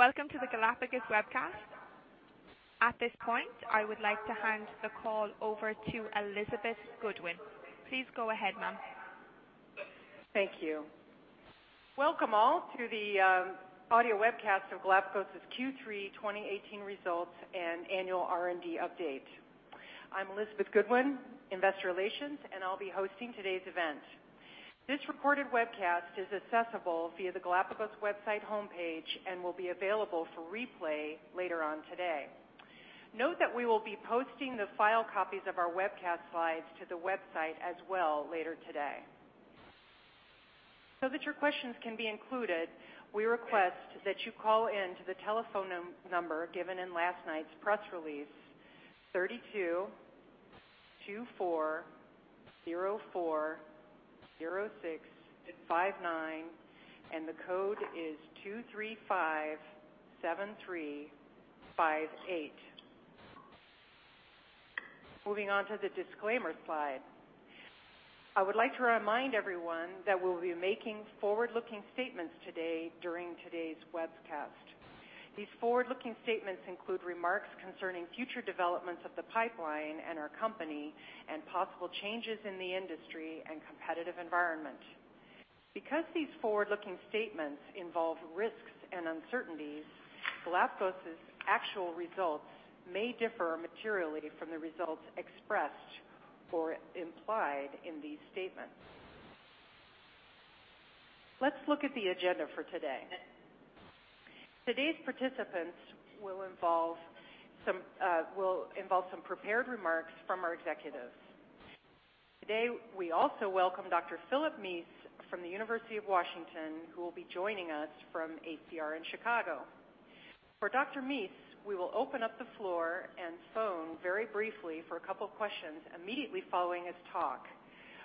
Welcome to the Galapagos webcast. At this point, I would like to hand the call over to Elizabeth Goodwin. Please go ahead, ma'am. Thank you. Welcome all to the audio webcast of Galapagos' Q3 2018 results and annual R&D update. I'm Elizabeth Goodwin, investor relations, and I'll be hosting today's event. This recorded webcast is accessible via the Galapagos website homepage and will be available for replay later on today. Note that we will be posting the file copies of our webcast slides to the website as well later today. That your questions can be included, we request that you call in to the telephone number given in last night's press release, 32-2404-0659, and the code is 2357358. Moving on to the disclaimer slide. I would like to remind everyone that we'll be making forward-looking statements today during today's webcast. These forward-looking statements include remarks concerning future developments of the pipeline and our company and possible changes in the industry and competitive environment. Because these forward-looking statements involve risks and uncertainties, Galapagos' actual results may differ materially from the results expressed or implied in these statements. Let's look at the agenda for today. Today's participants will involve some prepared remarks from our executives. Today, we also welcome Dr. Philip Mease from the University of Washington, who will be joining us from ACR in Chicago. For Dr. Mease, we will open up the floor and phone very briefly for a couple of questions immediately following his talk.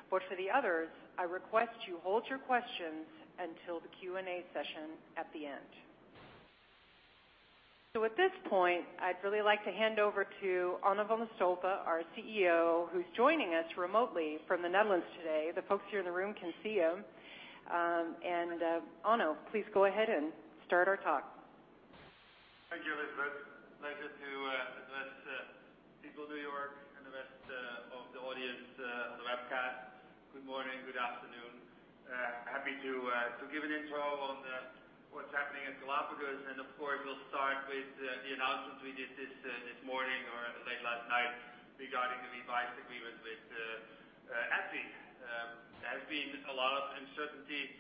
For the others, I request you hold your questions until the Q&A session at the end. At this point, I'd really like to hand over to Onno van de Stolpe, our CEO, who's joining us remotely from the Netherlands today. The folks here in the room can see him. Onno, please go ahead and start our talk. Thank you, Elizabeth. Pleasure to address the people of New York and the rest of the audience on the webcast. Good morning. Good afternoon. Happy to give an intro on what's happening at Galapagos. Of course, we'll start with the announcement we did this morning or late last night regarding the revised agreement with AbbVie. There has been a lot of uncertainty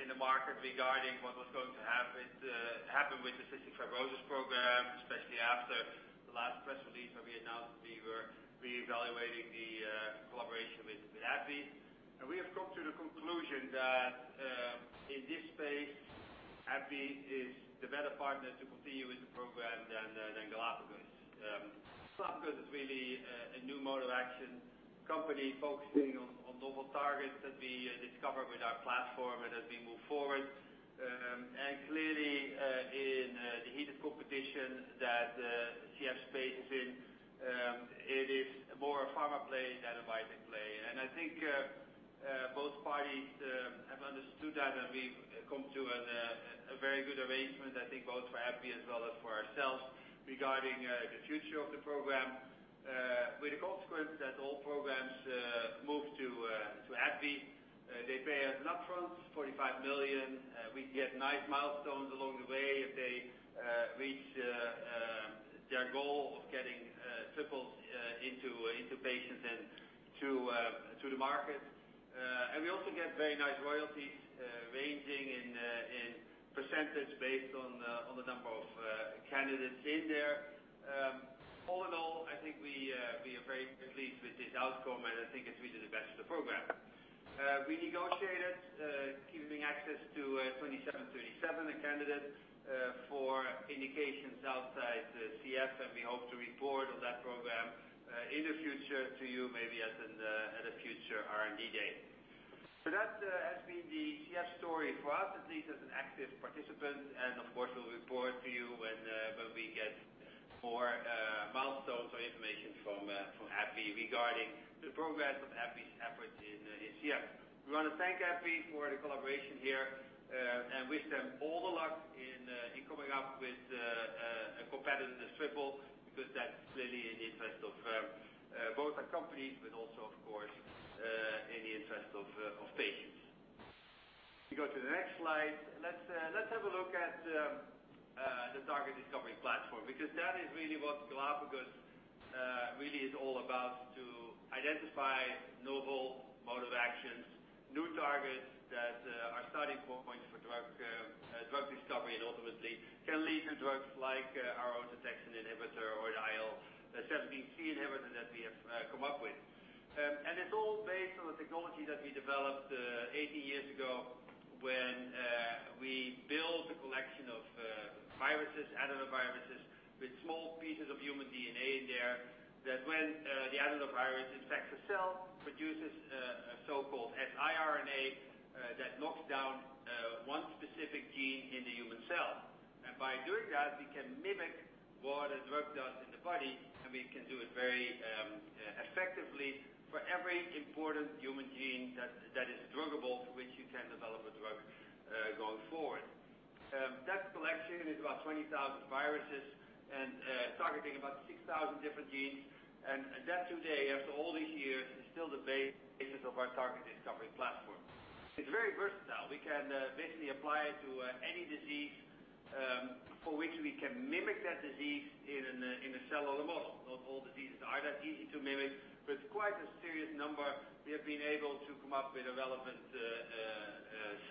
in the market regarding what was going to happen with the cystic fibrosis program, especially after the last press release where we announced we were reevaluating the collaboration with AbbVie. We have come to the conclusion that in this space, AbbVie is the better partner to continue with the program than Galapagos. Galapagos is really a new mode of action company focusing on novel targets that we discovered with our platform and as we move forward. Clearly, in the heated competition that the CF space is in, it is more a pharma play than a biotech play. I think both parties have understood that, and we've come to a very good arrangement, I think both for AbbVie as well as for ourselves regarding the future of the program. With the consequence that all programs move to AbbVie. They pay us upfront $45 million. We get nice milestones along the way if they reach their goal of getting triples into patients and to the market. We also get very nice royalties ranging in percentage based on the number of candidates in there. All in all, I think we are very pleased with this outcome, and I think it's really the best for the program. We negotiated keeping access to 2737, a candidate for indications outside CF, and we hope to report on that program in the future to you maybe at a future R&D date. That has been the CF story for us, at least as an active participant, and of course, we'll report to you when we get more milestones or information from AbbVie regarding the progress of AbbVie's efforts in CF. We want to thank AbbVie for the collaboration here and wish them all the luck in coming up with a competitive triple, because that's clearly in the interest of both our companies, but also of course, in the interest of patients. If you go to the next slide, let's have a look at the target discovery platform, because that is really what Galapagos really is all about to identify novel mode of actions, new targets that are starting points for drug discovery and ultimately can lead to drugs like our own Toledo inhibitor or the IL-17C inhibitor that we have come up with. It's all based on the technology that we developed 80 years ago when we built a collection of viruses, adenovirus viruses, with small pieces of human DNA in there, that when the adenovirus infects a cell, produces a so-called siRNA that knocks down one specific gene in the human cell. ByMimic what a drug does in the body, and we can do it very effectively for every important human gene that is druggable, for which you can develop a drug going forward. That collection is about 20,000 viruses and targeting about 6,000 different genes. That today, after all these years, is still the basis of our target discovery platform. It's very versatile. We can basically apply it to any disease for which we can mimic that disease in a cellular model. Not all diseases are that easy to mimic, but quite a serious number we have been able to come up with a relevant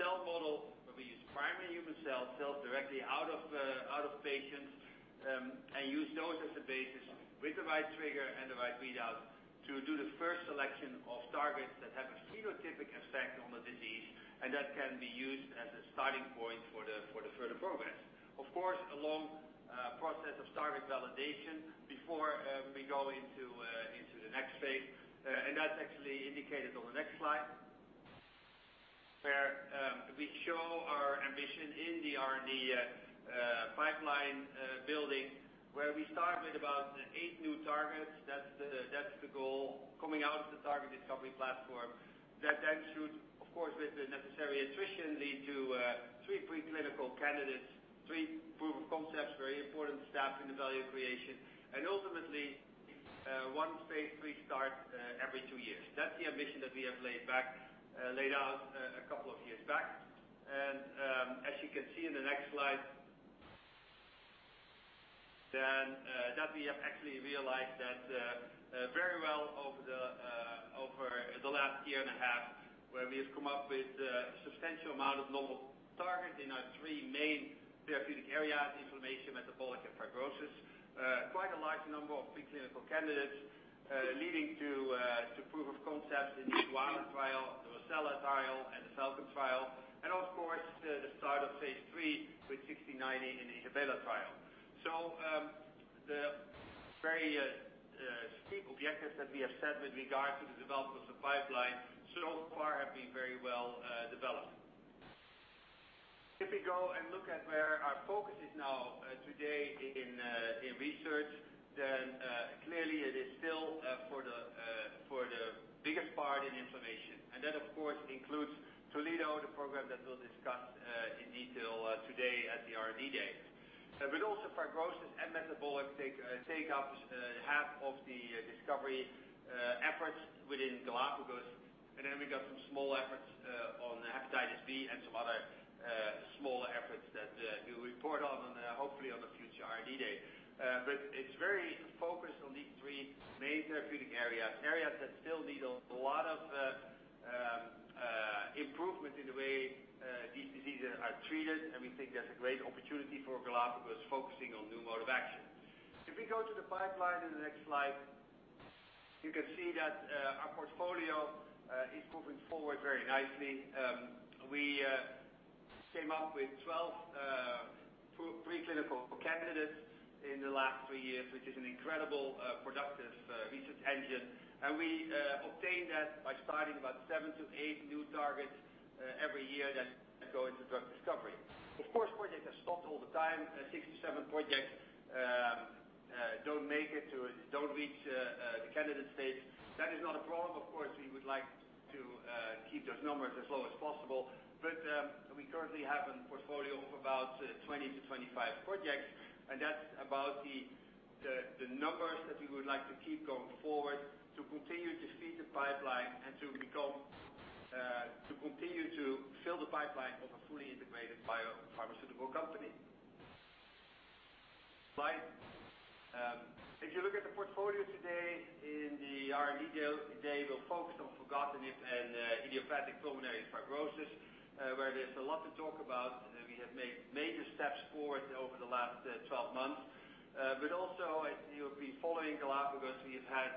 cell model where we use primary human cells directly out of patients, and use those as the basis with the right trigger and the right readout to do the first selection of targets that have a phenotypic effect on the disease. That can be used as a starting point for the further progress. Of course, a long process of target validation before we go into the next phase. That's actually indicated on the next slide, where we show our ambition in the R&D pipeline building, where we start with about eight new targets. That's the goal coming out of the target discovery platform that then should, of course, with the necessary attrition, lead to three pre-clinical candidates, three proof of concepts, very important step in the value creation, and ultimately one phase III start every two years. That's the ambition that we have laid out a couple of years back. As you can see in the next slide, we have actually realized that very well over the last year and a half, where we have come up with a substantial amount of novel targets in our three main therapeutic areas, inflammation, metabolic, and fibrosis. Quite a large number of pre-clinical candidates leading to proof of concept in the IGUANA trial, the ROCCELLA trial, and the FALCON trial, and of course, the start of phase III with GLPG1690 in the ISABELA trial. The very steep objectives that we have set with regard to the development of the pipeline so far have been very well-developed. If we go and look at where our focus is now today in research, then clearly it is still for the biggest part in inflammation. That, of course, includes Toledo, the program that we'll discuss in detail today at the R&D Day. Also fibrosis and metabolic take up half of the discovery efforts within Galapagos. We got some small efforts on hepatitis B and some other smaller efforts that we'll report on, hopefully on a future R&D day. It's very focused on these three main therapeutic areas. Areas that still need a lot of improvement in the way these diseases are treated, and we think there's a great opportunity for Galapagos focusing on new mode of action. If we go to the pipeline in the next slide, you can see that our portfolio is moving forward very nicely. We came up with 12 pre-clinical candidates in the last three years, which is an incredible productive research engine. We obtained that by starting about seven to eight new targets every year that go into drug discovery. Of course, projects are stopped all the time. 67 projects don't reach the candidate stage. That is not a problem. Of course, we would like to keep those numbers as low as possible. We currently have a portfolio of about 20-25 projects, and that's about the numbers that we would like to keep going forward to continue to feed the pipeline and to continue to fill the pipeline of a fully integrated biopharmaceutical company. Next slide. If you look at the portfolio today in the R&D Day, we'll focus on filgotinib and idiopathic pulmonary fibrosis, where there's a lot to talk about. We have made major steps forward over the last 12 months. Also, if you have been following Galapagos, we have had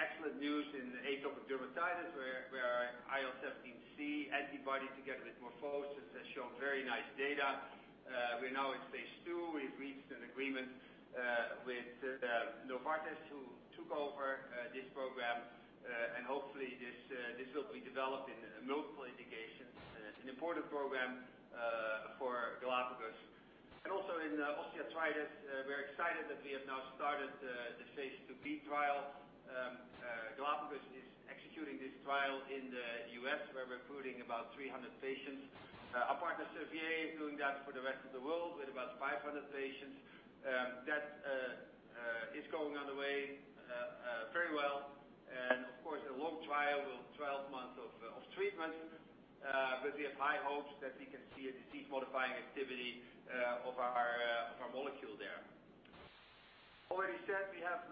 excellent news in atopic dermatitis, where our IL-17C antibody together with MorphoSys has shown very nice data. We're now in phase II. We've reached an agreement with Novartis, who took over this program. Hopefully, this will be developed in multiple indications. An important program for Galapagos. Also in osteoarthritis, we are excited that we have now started the phase II-B trial. Galapagos is executing this trial in the U.S. We are recruiting about 300 patients. Our partner, Servier, is doing that for the rest of the world with about 500 patients. That is going on the way very well. Of course, a long trial, with 12 months of treatment. We have high hopes that we can see a disease-modifying activity of our molecule there. Already said, we have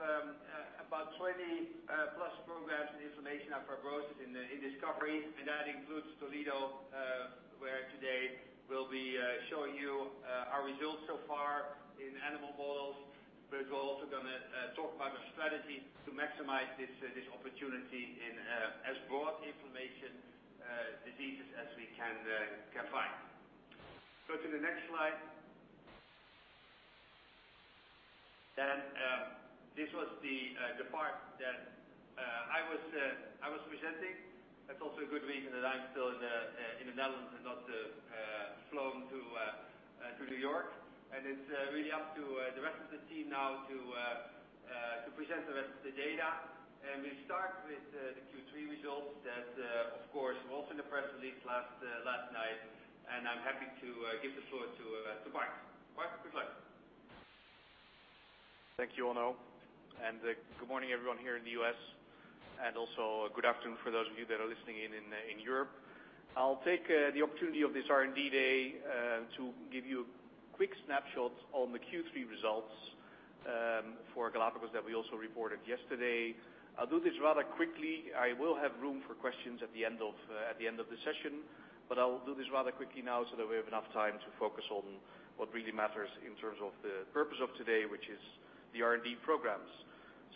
about 20-plus programs in inflammation and fibrosis in discovery, and that includes Toledo, where today we will be showing you our results so far in animal models. We are also going to talk about the strategy to maximize this opportunity in as broad inflammation diseases as we can find. Go to the next slide. This was the part that I was presenting. It is also a good week that I am still in the Netherlands and not flown to New York. It is really up to the rest of the team now to present the rest of the data. We start with the Q3 results that, of course, were also in the press release last night, and I am happy to give the floor to Bart. Bart, good luck. Thank you, Onno, and good morning everyone here in the U.S., and also good afternoon for those of you that are listening in Europe. I will take the opportunity of this R&D day to give you a quick snapshot on the Q3 results for Galapagos that we also reported yesterday. I will do this rather quickly. I will have room for questions at the end of the session, but I will do this rather quickly now so that we have enough time to focus on what really matters in terms of the purpose of today, which is the R&D programs.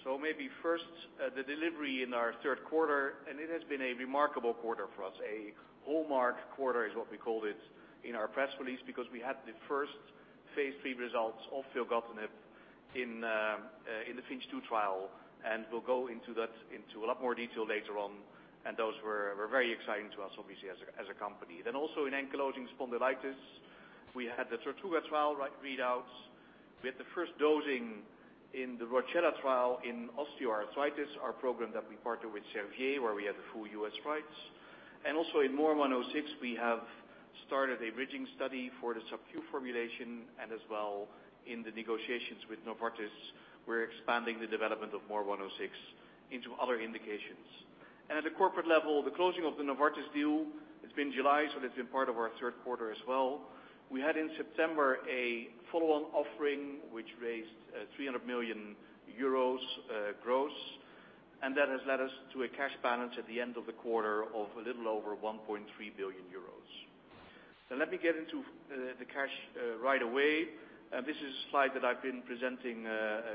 Maybe first, the delivery in our third quarter, and it has been a remarkable quarter for us. A hallmark quarter is what we called it in our press release because we had the first phase III results of filgotinib in the FINCH 2 trial, and we will go into a lot more detail later on. Those were very exciting to us, obviously, as a company. Also in ankylosing spondylitis, we had the TORTUGA trial readouts. We had the first dosing in the ROCCELLA trial in osteoarthritis, our program that we partner with Servier, where we had the full U.S. rights. Also in MOR106, we have started a bridging study for the subcu formulation and as well in the negotiations with Novartis, we are expanding the development of MOR106 into other indications. At the corporate level, the closing of the Novartis deal, it has been July, so that has been part of our third quarter as well. We had in September a follow-on offering, which raised 300 million euros gross. That has led us to a cash balance at the end of the quarter of a little over 1.3 billion euros. Let me get into the cash right away. This is a slide that I've been presenting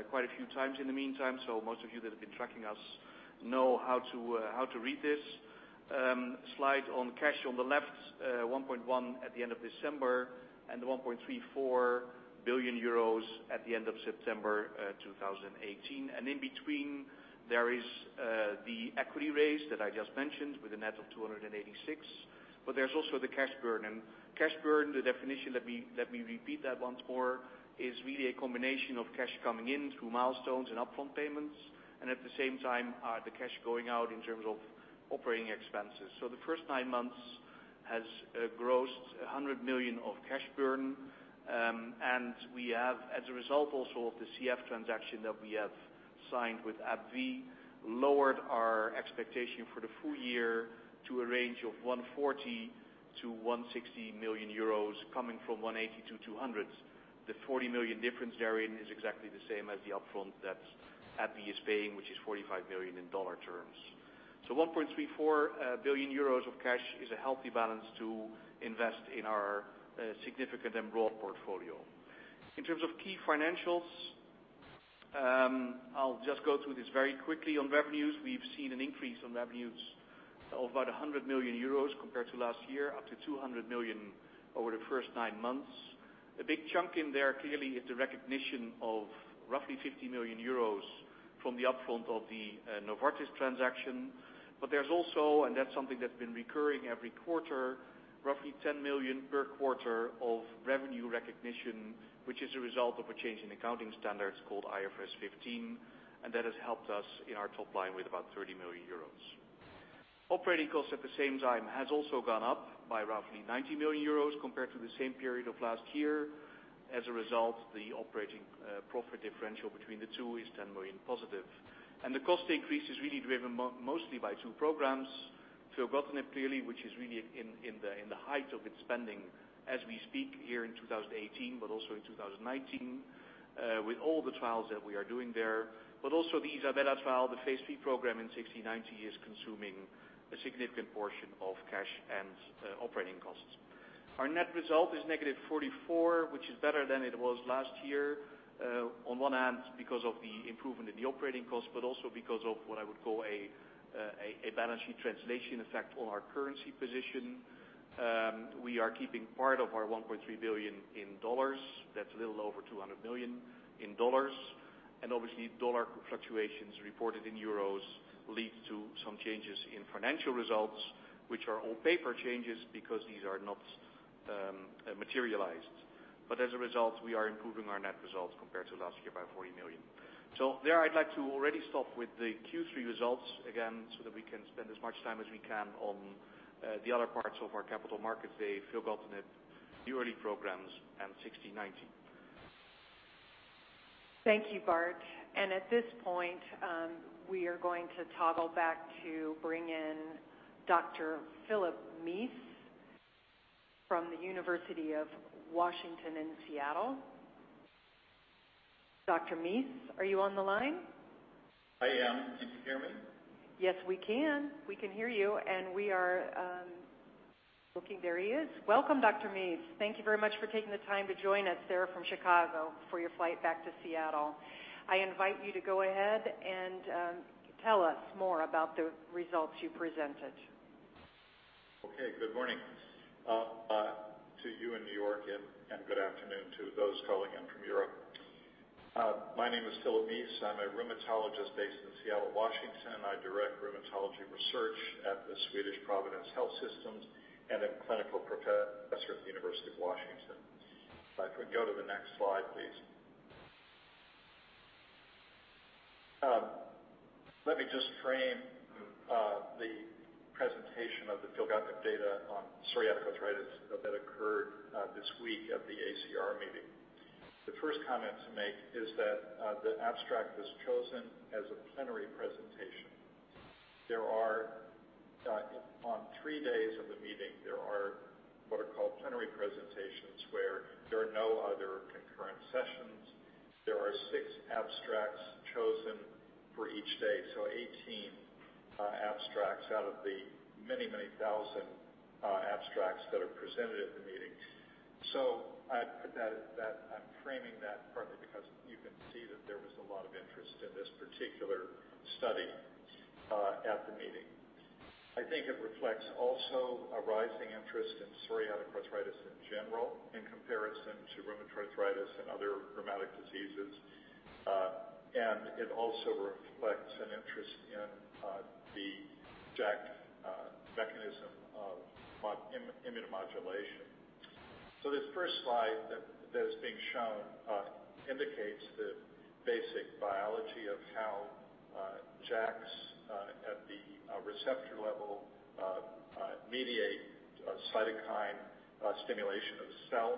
quite a few times in the meantime, so most of you that have been tracking us know how to read this. Slide on cash on the left, 1.1 billion at the end of December and 1.34 billion euros at the end of September 2018. In between, there is the equity raise that I just mentioned with a net of 286 million, but there's also the cash burn. Cash burn, the definition, let me repeat that once more, is really a combination of cash coming in through milestones and upfront payments, and at the same time, the cash going out in terms of operating expenses. The first nine months has grossed 100 million of cash burn. We have, as a result also of the CF transaction that we have signed with AbbVie, lowered our expectation for the full year to a range of 140 million to 160 million euros coming from 180 million to 200 million. The 40 million difference therein is exactly the same as the upfront that AbbVie is paying, which is $45 million in dollar terms. 1.34 billion euros of cash is a healthy balance to invest in our significant and broad portfolio. In terms of key financials, I'll just go through this very quickly. On revenues, we've seen an increase in revenues of about 100 million euros compared to last year, up to 200 million over the first nine months. A big chunk in there clearly is the recognition of roughly 50 million euros from the upfront of the Novartis transaction. There's also, and that's something that's been recurring every quarter, roughly 10 million per quarter of revenue recognition, which is a result of a change in accounting standards called IFRS 15, and that has helped us in our top line with about 30 million euros. Operating costs at the same time has also gone up by roughly 90 million euros compared to the same period of last year. As a result, the operating profit differential between the two is 10 million positive. The cost increase is really driven mostly by two programs. filgotinib clearly, which is really in the height of its spending as we speak here in 2018, but also in 2019, with all the trials that we are doing there. But also the ISABELA trial, the phase III program in GLPG1690, is consuming a significant portion of cash and operating costs. Our net result is negative 44 million, which is better than it was last year, on one hand, because of the improvement in the operating cost, but also because of what I would call a balancing translation effect on our currency position. We are keeping part of our $1.3 billion. That's a little over $200 million. Obviously, dollar fluctuations reported in euros lead to some changes in financial results, which are all paper changes because these are not materialized. As a result, we are improving our net results compared to last year by 40 million. There I'd like to already stop with the Q3 results again so that we can spend as much time as we can on the other parts of our capital markets day, filgotinib, the early programs, and 1690. Thank you, Bart. At this point, we are going to toggle back to bring in Dr. Philip Mease from the University of Washington in Seattle. Dr. Mease, are you on the line? I am. Can you hear me? Yes, we can. We can hear you. We are looking. There he is. Welcome, Dr. Mease. Thank you very much for taking the time to join us there from Chicago before your flight back to Seattle. I invite you to go ahead and tell us more about the results you presented. Okay, good morning to you in New York, and good afternoon to those calling in from Europe. My name is Phil Mease. I'm a rheumatologist based in Seattle, Washington. I direct rheumatology research at the Providence Swedish Health Systems and am clinical professor at the University of Washington. If we go to the next slide, please. Let me just frame the presentation of the filgotinib data on psoriatic arthritis that occurred this week at the ACR meeting. The first comment to make is that the abstract was chosen as a plenary presentation. On three days of the meeting, there are what are called plenary presentations, where there are no other concurrent sessions. There are six abstracts chosen for each day, 18 abstracts out of the many, many thousand abstracts that are presented at the meeting. I'm framing that partly because you can see that there was a lot of interest in this particular study at the meeting. I think it reflects also a rising interest in psoriatic arthritis in general in comparison to rheumatoid arthritis and other rheumatic diseases. It also reflects an interest in the JAK mechanism of immunomodulation. This first slide that is being shown indicates the basic biology of how JAKs at the receptor level mediate cytokine stimulation of the cell.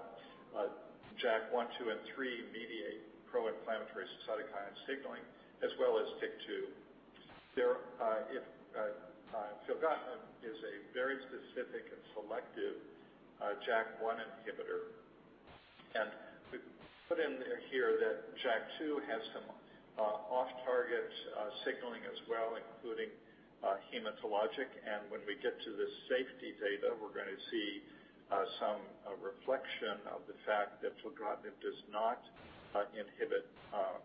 JAK1, 2, and 3 mediate pro-inflammatory cytokine signaling as well as TYK2. Filgotinib is a very specific and selective JAK1 inhibitor. To put in here that JAK2 has some off-target signaling as well, including hematologic. When we get to the safety data, we're going to see some reflection of the fact that filgotinib does not inhibit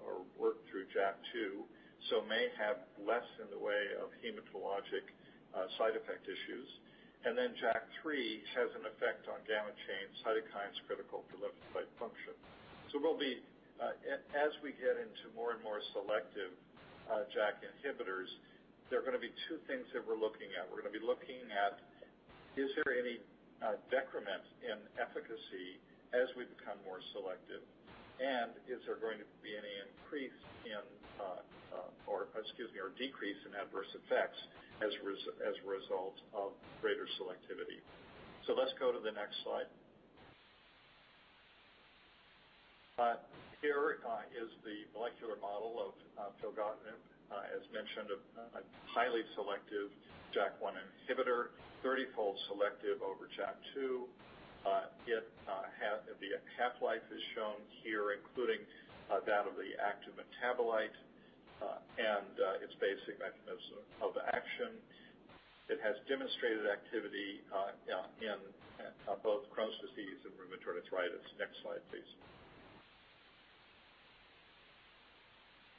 or work through JAK2, so may have less in the way of hematologic side effect issues. JAK3 has an effect on gamma chain cytokines critical to lymphocyte function. As we get into more and more selective JAK inhibitors, there are going to be two things that we're looking at. We're going to be looking at is there any decrement in efficacy as we become more selective, and is there going to be any increase or decrease in adverse effects as a result of greater selectivity. Let's go to the next slide. Here is the molecular model of filgotinib. As mentioned, a highly selective JAK1 inhibitor, 30-fold selective over JAK2. The half-life is shown here, including that of the active metabolite and its basic mechanism of action. It has demonstrated activity in both Crohn's disease and rheumatoid arthritis. Next slide, please.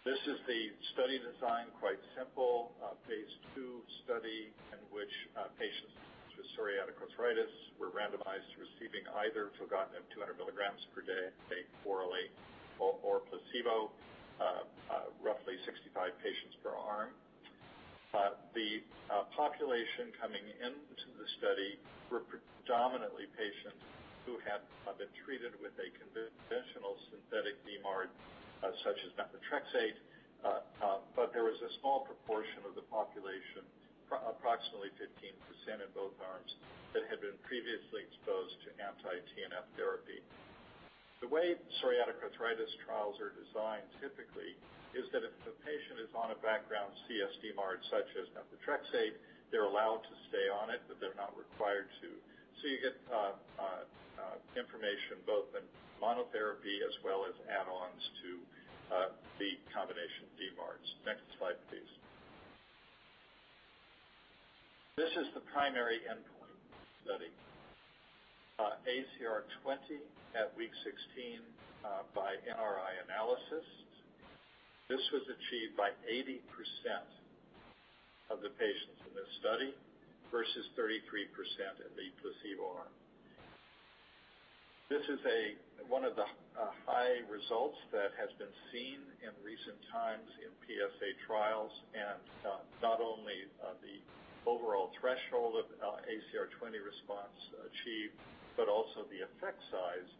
This is the study design, quite simple. A phase II study in which patients with psoriatic arthritis were randomized to receiving either filgotinib 200 milligrams per day orally or placebo. Roughly 65 patients per arm. The population coming into the study were predominantly patients who had been treated with a conventional synthetic DMARD, such as methotrexate. There was a small proportion of the population, approximately 15% in both arms, that had been previously exposed to anti-TNF therapy. The way psoriatic arthritis trials are designed typically is that if the patient is on a background csDMARD such as methotrexate, they're allowed to stay on it, but they're not required to. You get information both in monotherapy as well as add-ons to the combination DMARDs. Next slide, please. This is the primary endpoint study. ACR20 at week 16 by NRI analysis. This was achieved by 80% of the patients in this study versus 33% in the placebo arm. This is one of the high results that has been seen in recent times in PSA trials, and not only the overall threshold of ACR20 response achieved but also the effect size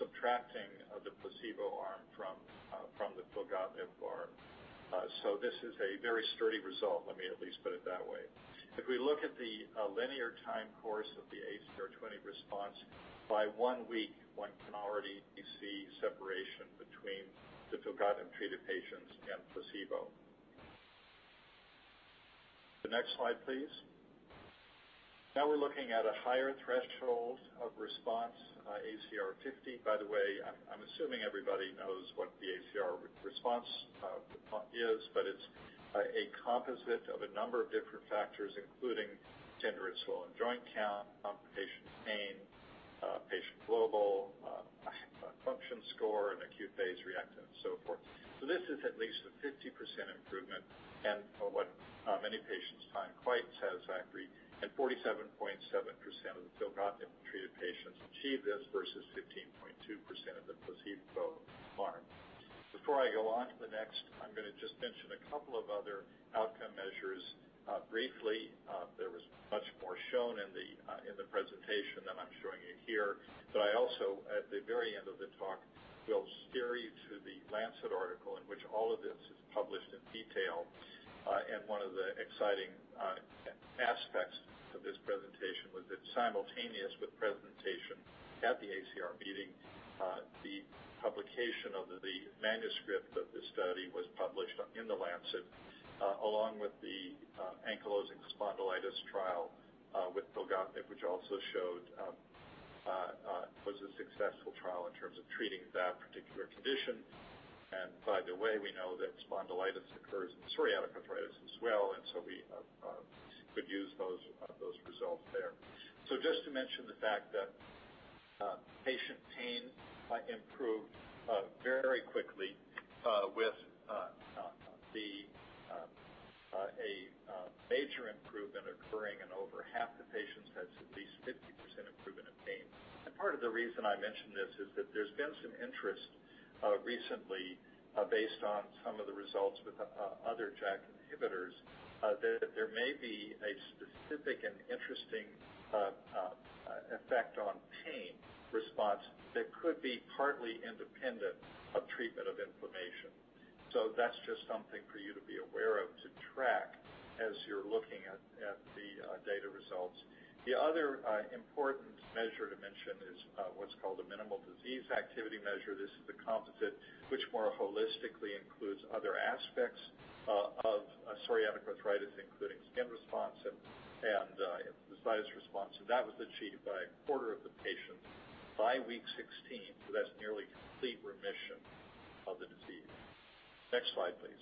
subtracting the placebo arm from the filgotinib arm. This is a very sturdy result. Let me at least put it that way. If we look at the linear time course of the ACR20 response, by one week, one can already see separation between the filgotinib-treated patients and placebo. The next slide, please. Now we're looking at a higher threshold of response, ACR50. By the way, I'm assuming everybody knows what the ACR response is, but it's a composite of a number of different factors, including tender and swollen joint count, patient pain, patient global function score and acute phase reactant and so forth. This is at least a 50% improvement and what many patients find quite satisfactory, and 47.7% of the filgotinib-treated patients achieve this, versus 15.2% of the placebo arm. Before I go on to the next, I'm going to just mention a couple of other outcome measures briefly. There was much more shown in the presentation than I'm showing you here. I also, at the very end of the talk, will steer you to The Lancet article in which all of this is published in detail. One of the exciting aspects of this presentation was that simultaneous with presentation at the ACR meeting, the publication of the manuscript of this study was published in The Lancet, along with the ankylosing spondylitis trial with filgotinib, which also was a successful trial in terms of treating that particular condition. By the way, we know that spondylitis occurs in psoriatic arthritis as well, and we could use those results there. Just to mention the fact that patient pain improved very quickly with a major improvement occurring in over half the patients had at least 50% improvement in pain. Part of the reason I mention this is that there's been some interest recently based on some of the results with other JAK inhibitors, that there may be a specific and interesting effect on pain response that could be partly independent of treatment of inflammation. That's just something for you to be aware of to track as you're looking at the data results. The other important measure to mention is what's called a minimal disease activity measure. This is the composite which more holistically includes other aspects of psoriatic arthritis, including skin response and enthesitis response. That was achieved by a quarter of the patients by week 16. That's nearly complete remission of the disease. Next slide, please.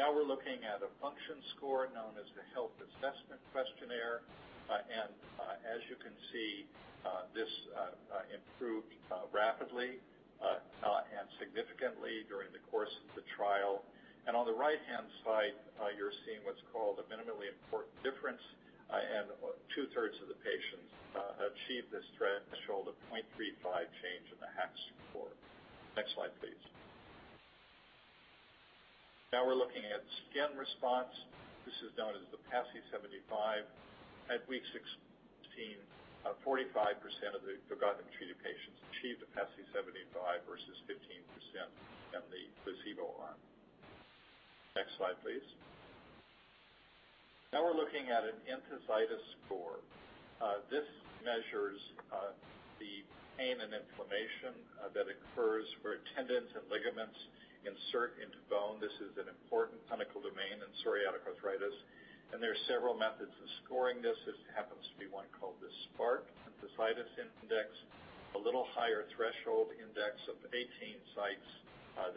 Now we're looking at a function score known as the Health Assessment Questionnaire. As you can see, this improved rapidly and significantly during the course of the trial. On the right-hand side, you're seeing what's called a minimally important difference. Two-thirds of the patients achieve this threshold of 0.35 change in the HAQ score. Next slide, please. Now we're looking at skin response. This is known as the PASI 75. At week 16, 45% of the filgotinib-treated patients achieved a PASI 75, versus 15% in the placebo arm. Next slide, please. We're looking at an enthesitis score. This measures the pain and inflammation that occurs where tendons and ligaments insert into bone. This is an important clinical domain in psoriatic arthritis, and there are several methods of scoring this. This happens to be one called the SPARCC Enthesitis Index, a little higher threshold index of 18 sites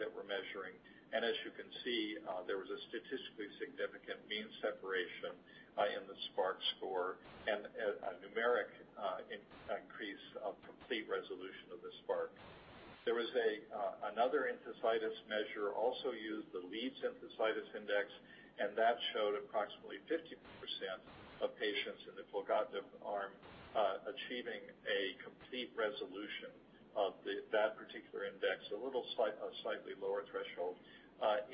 that we're measuring. As you can see, there was a statistically significant mean separation in the SPARCC score and a numeric increase of complete resolution of the SPARCC. There was another enthesitis measure also used, the Leeds Enthesitis Index, and that showed approximately 50% of patients in the filgotinib arm achieving a complete resolution of that particular index. A slightly lower threshold at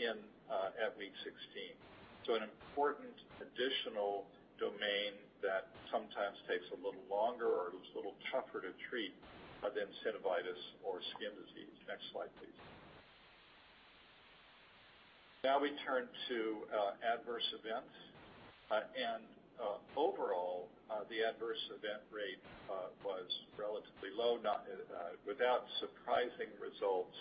week 16. An important additional domain that sometimes takes a little longer or is a little tougher to treat than synovitis or skin disease. Next slide, please. We turn to adverse events. Overall, the adverse event rate was relatively low, without surprising results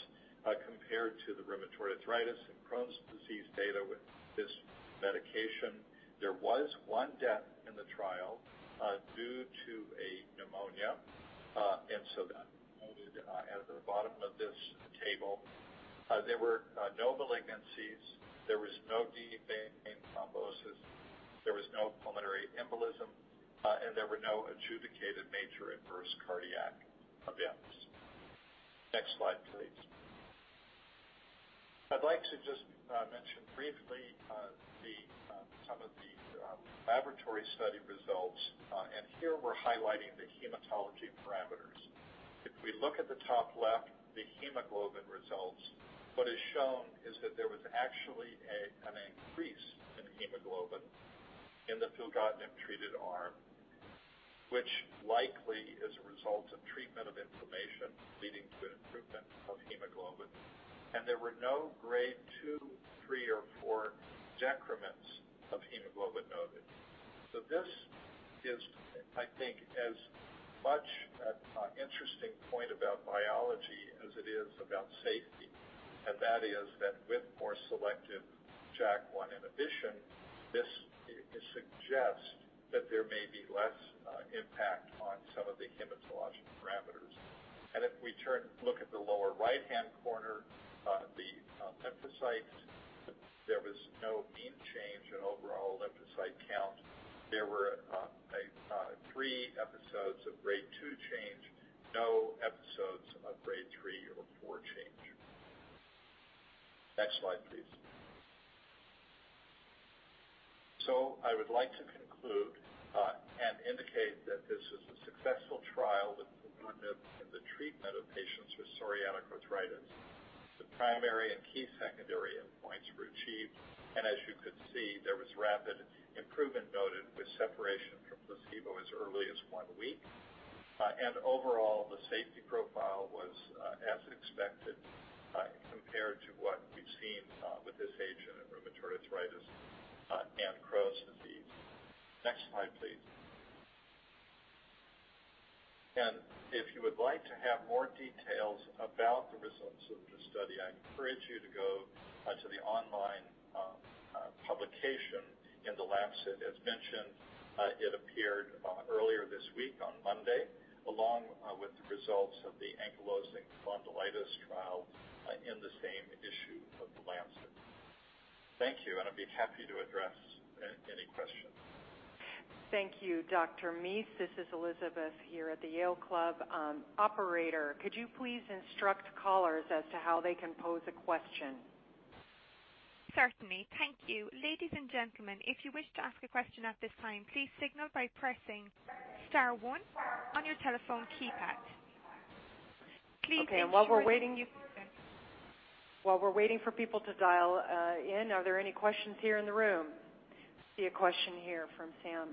compared to the rheumatoid arthritis and Crohn's disease data with this medication. There was one death in the trial due to a pneumonia. That's noted at the bottom of this table. There were no malignancies, there was no deep vein thrombosis, there was no pulmonary embolism, and there were no adjudicated major adverse cardiac events. Next slide, please. I'd like to just mention briefly some of the laboratory study results. Here we're highlighting the hematology parameters. If we look at the top left, the hemoglobin results, what is shown is that there was actually an increase in hemoglobin in the filgotinib-treated arm, which likely is a result of treatment of inflammation leading to an improvement of hemoglobin. There were no Grade 2, 3, or 4 decrements of hemoglobin noted. This is, I think, as much an interesting point about biology as it is about safety, and that is that with more selective JAK1 inhibition, this suggests that there may be less impact on some of the hematological parameters. If we look at the lower right-hand corner, lymphocytes, there was no mean change in overall lymphocyte count. There were three episodes of Grade 2 change, no episodes of Grade 3 or 4 change. Next slide, please. I would like to conclude and indicate that this is a successful trial with filgotinib in the treatment of patients with psoriatic arthritis. The primary and key secondary endpoints were achieved, as you could see, there was rapid improvement noted with separation from placebo as early as one week. Overall, the safety profile was as expected, compared to what we've seen with this agent in rheumatoid arthritis and Crohn's disease. Next slide, please. If you would like to have more details about the results of the study, I encourage you to go to the online publication in The Lancet. As mentioned, it appeared earlier this week on Monday, along with the results of the ankylosing spondylitis trial in the same issue of The Lancet. Thank you, and I'd be happy to address any questions. Thank you, Dr. Mease. This is Elizabeth here at the Yale Club. Operator, could you please instruct callers as to how they can pose a question? Certainly. Thank you. Ladies and gentlemen, if you wish to ask a question at this time, please signal by pressing star one on your telephone keypad. Please ensure. Okay. While we're waiting for people to dial in, are there any questions here in the room? I see a question here from Sam.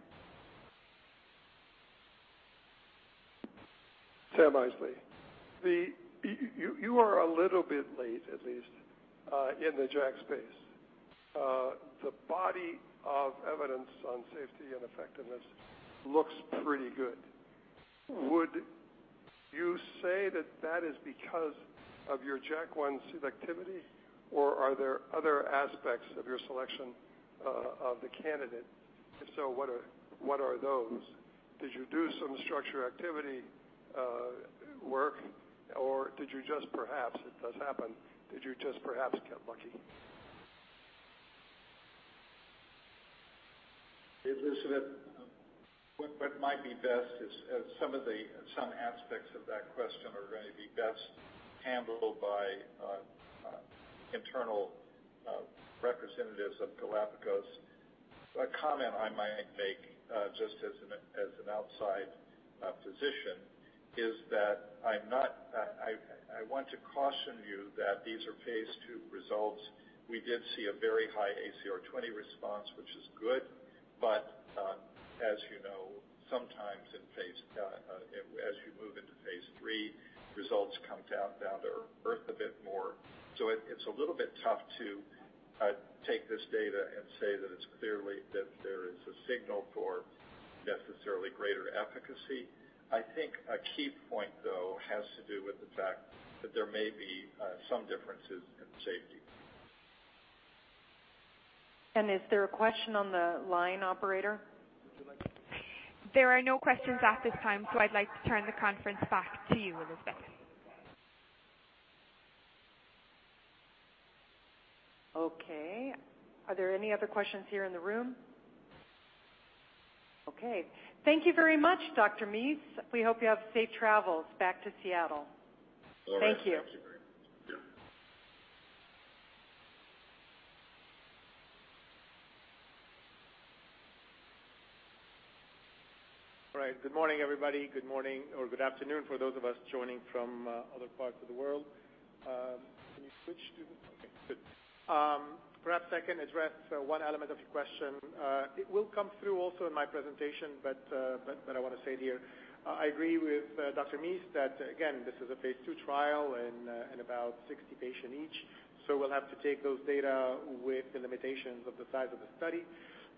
Sam Fazeli. You are a little bit late, at least, in the JAK space. The body of evidence on safety and effectiveness looks pretty good. Would you say that that is because of your JAK1 selectivity, or are there other aspects of your selection of the candidate? If so, what are those? Did you do some structure activity work, or did you just perhaps, it does happen, did you just perhaps get lucky? Elizabeth, what might be best is, some aspects of that question are going to be best handled by internal representatives of Galapagos. A comment I might make, just as an outside physician, is that I want to caution you that these are phase II results. We did see a very high ACR20 response, which is good. As you know, sometimes as you move into phase III, results come down to earth a bit more. It's a little bit tough to take this data and say that there is a signal for necessarily greater efficacy. I think a key point, though, has to do with the fact that there may be some differences in safety. Is there a question on the line, operator? There are no questions at this time, I'd like to turn the conference back to you, Elizabeth. Okay. Are there any other questions here in the room? Okay. Thank you very much, Dr. Mease. We hope you have safe travels back to Seattle. All right. Thank you. Thank you very much. Yep. All right. Good morning, everybody. Good morning or good afternoon for those of us joining from other parts of the world. Can you switch to Okay, good. Perhaps I can address one element of your question. It will come through also in my presentation. I want to say it here. I agree with Dr. Mease that, again, this is a phase II trial and about 60 patients each. We'll have to take those data with the limitations of the size of the study.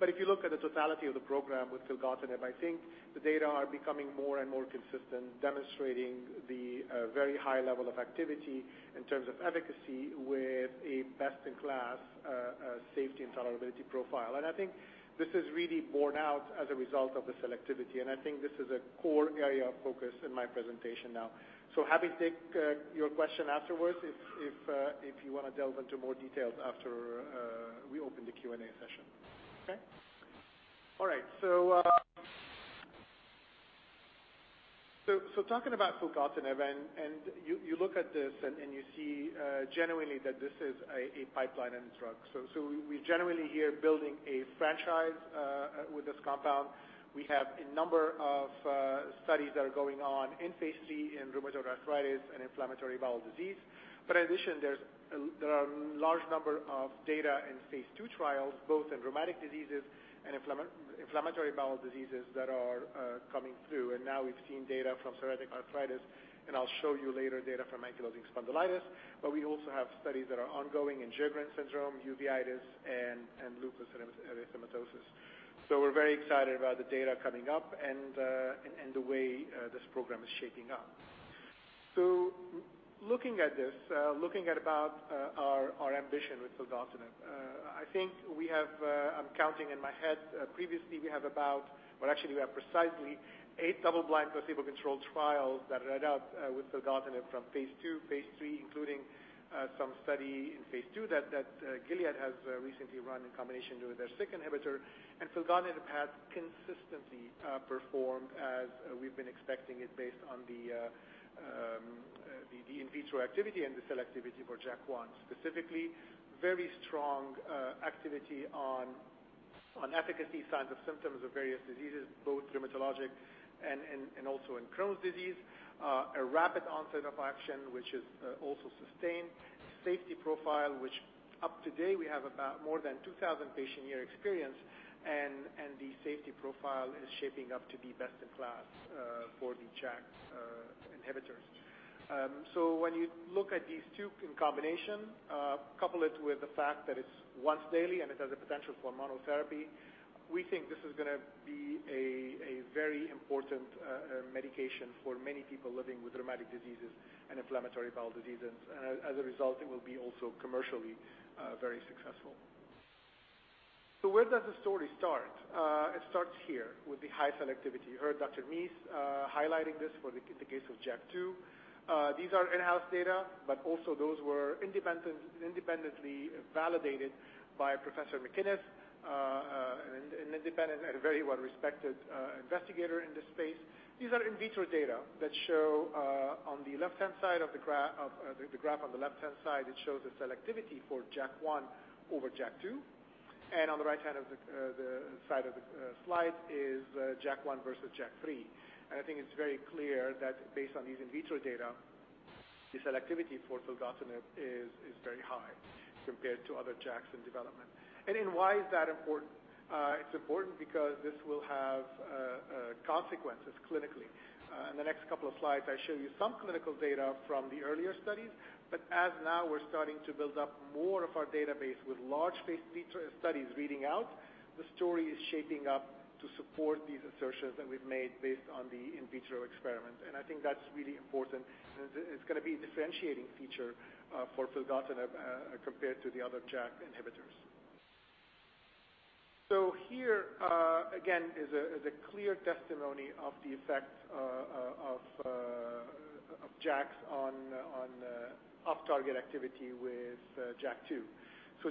If you look at the totality of the program with filgotinib, I think the data are becoming more and more consistent, demonstrating the very high level of activity in terms of efficacy with a best-in-class safety and tolerability profile. I think this is really borne out as a result of the selectivity, and I think this is a core area of focus in my presentation now. Happy to take your question afterwards if you want to delve into more details after we open the Q&A session. Okay. All right. Talking about filgotinib, you look at this and you see genuinely that this is a pipeline in a drug. We're generally here building a franchise with this compound. We have a number of studies that are going on in phase III in rheumatoid arthritis and inflammatory bowel disease. In addition, there are large number of data in phase II trials, both in rheumatic diseases and inflammatory bowel diseases, that are coming through. Now we've seen data from psoriatic arthritis, and I'll show you later data from ankylosing spondylitis. We also have studies that are ongoing in Sjögren's syndrome, uveitis, and lupus erythematosus. We're very excited about the data coming up and the way this program is shaping up. Looking at this, looking at about our ambition with filgotinib, previously, we have about, or actually, we have precisely eight double-blind placebo-controlled trials that read out with filgotinib from phase II, phase III, including some study in phase II that Gilead has recently run in combination with their Syk inhibitor. Filgotinib has consistently performed as we've been expecting it based on the in vitro activity and the selectivity for JAK1. Specifically, very strong activity on efficacy signs of symptoms of various diseases, both dermatologic and also in Crohn's disease. A rapid onset of action, which is also sustained. Safety profile, which up to date we have about more than 2,000 patient year experience and the safety profile is shaping up to be best in class for the JAK inhibitors. When you look at these two in combination, couple it with the fact that it's once daily and it has a potential for monotherapy, we think this is going to be a very important medication for many people living with rheumatic diseases and inflammatory bowel diseases. As a result, it will be also commercially very successful. Where does the story start? It starts here with the high selectivity. You heard Dr. Mease highlighting this for the case of JAK2. These are in-house data, but also those were independently validated by Professor McInnes, an independent and a very well-respected investigator in this space. These are in vitro data that show on the left-hand side of the graph, on the left-hand side, it shows a selectivity for JAK1 over JAK2. On the right-hand side of the slide is JAK1 versus JAK3. I think it's very clear that based on these in vitro data, the selectivity for filgotinib is very high compared to other JAKs in development. Then why is that important? It's important because this will have consequences clinically. In the next couple of slides, I show you some clinical data from the earlier studies, but as now we're starting to build up more of our database with large phase III studies reading out, the story is shaping up to support these assertions that we've made based on the in vitro experiments. I think that's really important, it's going to be a differentiating feature for filgotinib compared to the other JAK inhibitors. Here again is a clear testimony of the effects of JAKs on off-target activity with JAK2.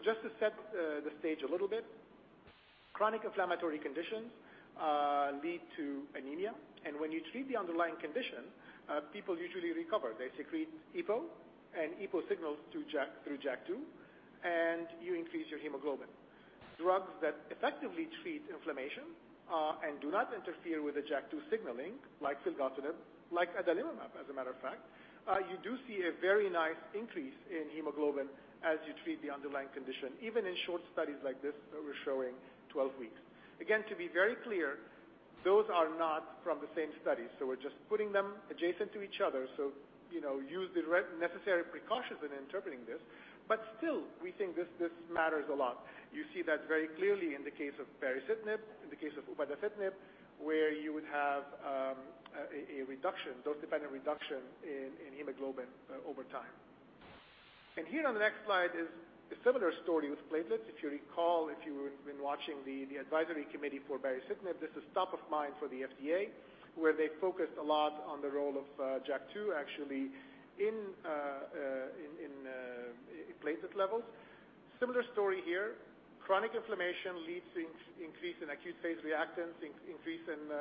Just to set the stage a little bit, chronic inflammatory conditions lead to anemia. When you treat the underlying condition, people usually recover. They secrete EPO and EPO signals through JAK2, and you increase your hemoglobin. Drugs that effectively treat inflammation and do not interfere with the JAK2 signaling, like filgotinib, like adalimumab, as a matter of fact, you do see a very nice increase in hemoglobin as you treat the underlying condition, even in short studies like this that we're showing 12 weeks. Again, to be very clear, those are not from the same study. We're just putting them adjacent to each other. Use the necessary precautions in interpreting this. Still, we think this matters a lot. You see that very clearly in the case of baricitinib, in the case of upadacitinib, where you would have a dose-dependent reduction in hemoglobin over time. Here on the next slide is a similar story with platelets. If you recall, if you have been watching the advisory committee for baricitinib, this is top of mind for the FDA, where they focused a lot on the role of JAK2 actually in platelet levels. Similar story here. Chronic inflammation leads to increase in acute phase reactants, increase in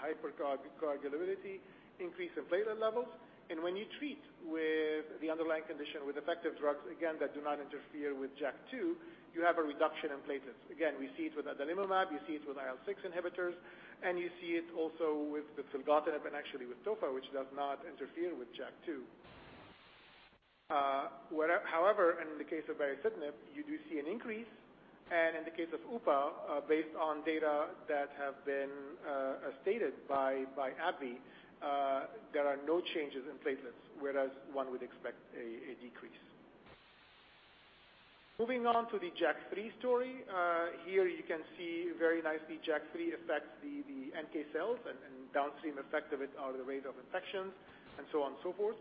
hypercoagulability, increase in platelet levels. When you treat with the underlying condition with effective drugs, again, that do not interfere with JAK2, you have a reduction in platelets. Again, we see it with adalimumab, you see it with IL-6 inhibitors, you see it also with the filgotinib and actually with tofa, which does not interfere with JAK2. However, in the case of baricitinib, you do see an increase, and in the case of upa, based on data that have been stated by AbbVie, there are no changes in platelets, whereas one would expect a decrease. Moving on to the JAK3 story. Here you can see very nicely JAK3 affects the NK cells and downstream effect of it are the rate of infections and so on and so forth.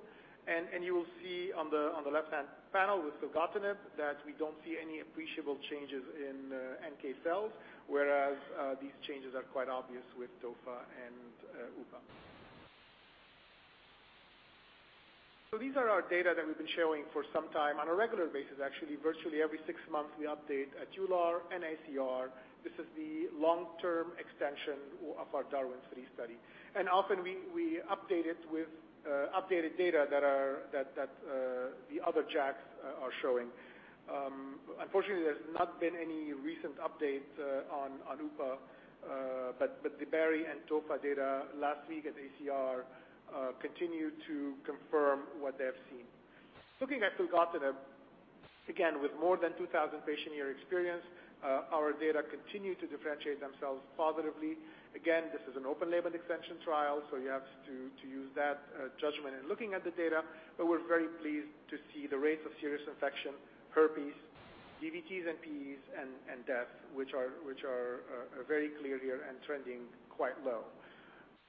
You will see on the left-hand panel with filgotinib that we don't see any appreciable changes in NK cells, whereas these changes are quite obvious with tofa and upa. These are our data that we've been showing for some time on a regular basis, actually, virtually every six months, we update at EULAR and ACR. This is the long-term extension of our DARWIN 3 study. Often we update it with updated data that the other JAKs are showing. Unfortunately, there's not been any recent updates on upa, but the bari and tofa data last week at ACR continue to confirm what they have seen. Looking at filgotinib, again, with more than 2,000 patient-year experience, our data continue to differentiate themselves positively. This is an open-label extension trial, so you have to use that judgment in looking at the data, but we're very pleased to see the rates of serious infection, herpes, DVTs and PEs, and death, which are very clear here and trending quite low.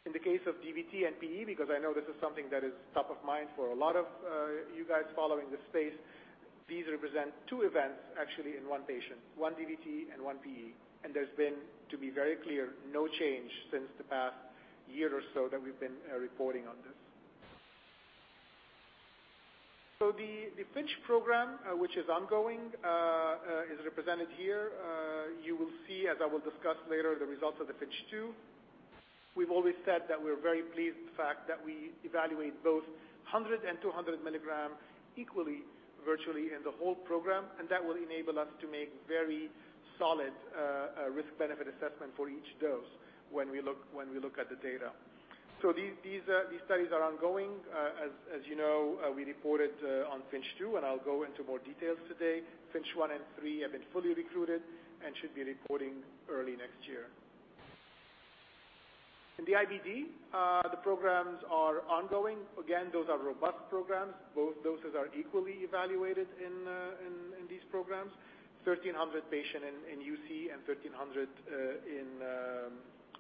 In the case of DVT and PE, because I know this is something that is top of mind for a lot of you guys following this space. These represent two events, actually, in one patient, one DVT and one PE. There's been, to be very clear, no change since the past year or so that we've been reporting on this. The FINCH program, which is ongoing, is represented here. You will see, as I will discuss later, the results of the FINCH 2. We've always said that we're very pleased with the fact that we evaluate both 100 and 200 mg equally virtually in the whole program, and that will enable us to make very solid risk-benefit assessment for each dose when we look at the data. These studies are ongoing. As you know, we reported on FINCH 2, and I'll go into more details today. FINCH 1 and 3 have been fully recruited and should be reporting early next year. In the IBD, the programs are ongoing. Again, those are robust programs. Both doses are equally evaluated in these programs, 1,300 patient in UC and 1,300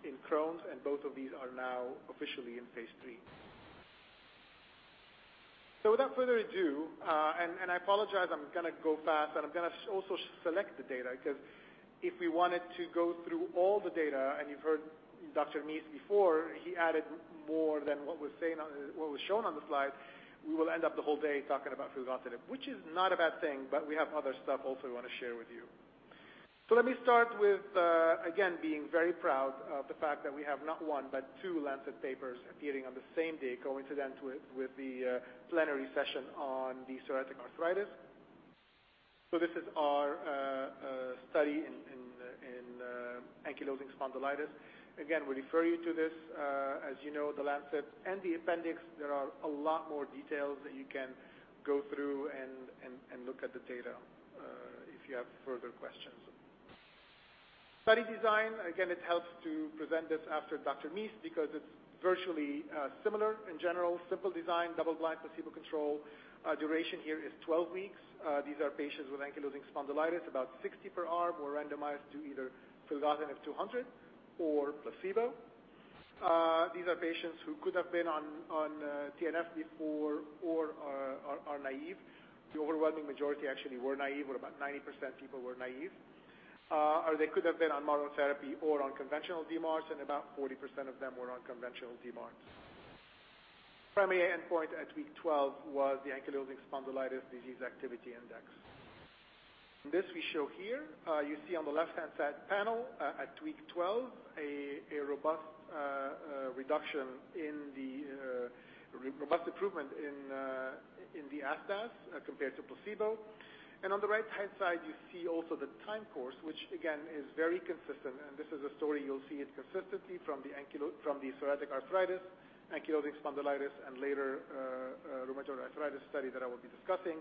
in Crohn's, and both of these are now officially in phase III. Without further ado, and I apologize, I'm going to go fast, and I'm going to also select the data, because if we wanted to go through all the data, and you've heard Dr. Mease before, he added more than what was shown on the slide, we will end up the whole day talking about filgotinib, which is not a bad thing, but we have other stuff also we want to share with you. Let me start with, again, being very proud of the fact that we have not one, but two The Lancet papers appearing on the same day, coincident with the plenary session on the psoriatic arthritis. This is our study in ankylosing spondylitis. Again, we refer you to this. As you know, The Lancet and the appendix, there are a lot more details that you can go through and look at the data, if you have further questions. Study design, again, it helps to present this after Dr. Mease because it's virtually similar. In general, simple design, double-blind, placebo control. Duration here is 12 weeks. These are patients with ankylosing spondylitis. About 60 per arm were randomized to either filgotinib 200 or placebo. These are patients who could have been on TNF before or are naive. The overwhelming majority actually were naive, or about 90% people were naive. They could have been on monotherapy or on conventional DMARDs, and about 40% of them were on conventional DMARDs. Primary endpoint at week 12 was the Ankylosing Spondylitis Disease Activity Index. This we show here. You see on the left-hand side panel at week 12, a robust improvement in the ASDAS compared to placebo. On the right-hand side, you see also the time course, which again is very consistent, and this is a story you'll see it consistently from the psoriatic arthritis, ankylosing spondylitis, and later rheumatoid arthritis study that I will be discussing.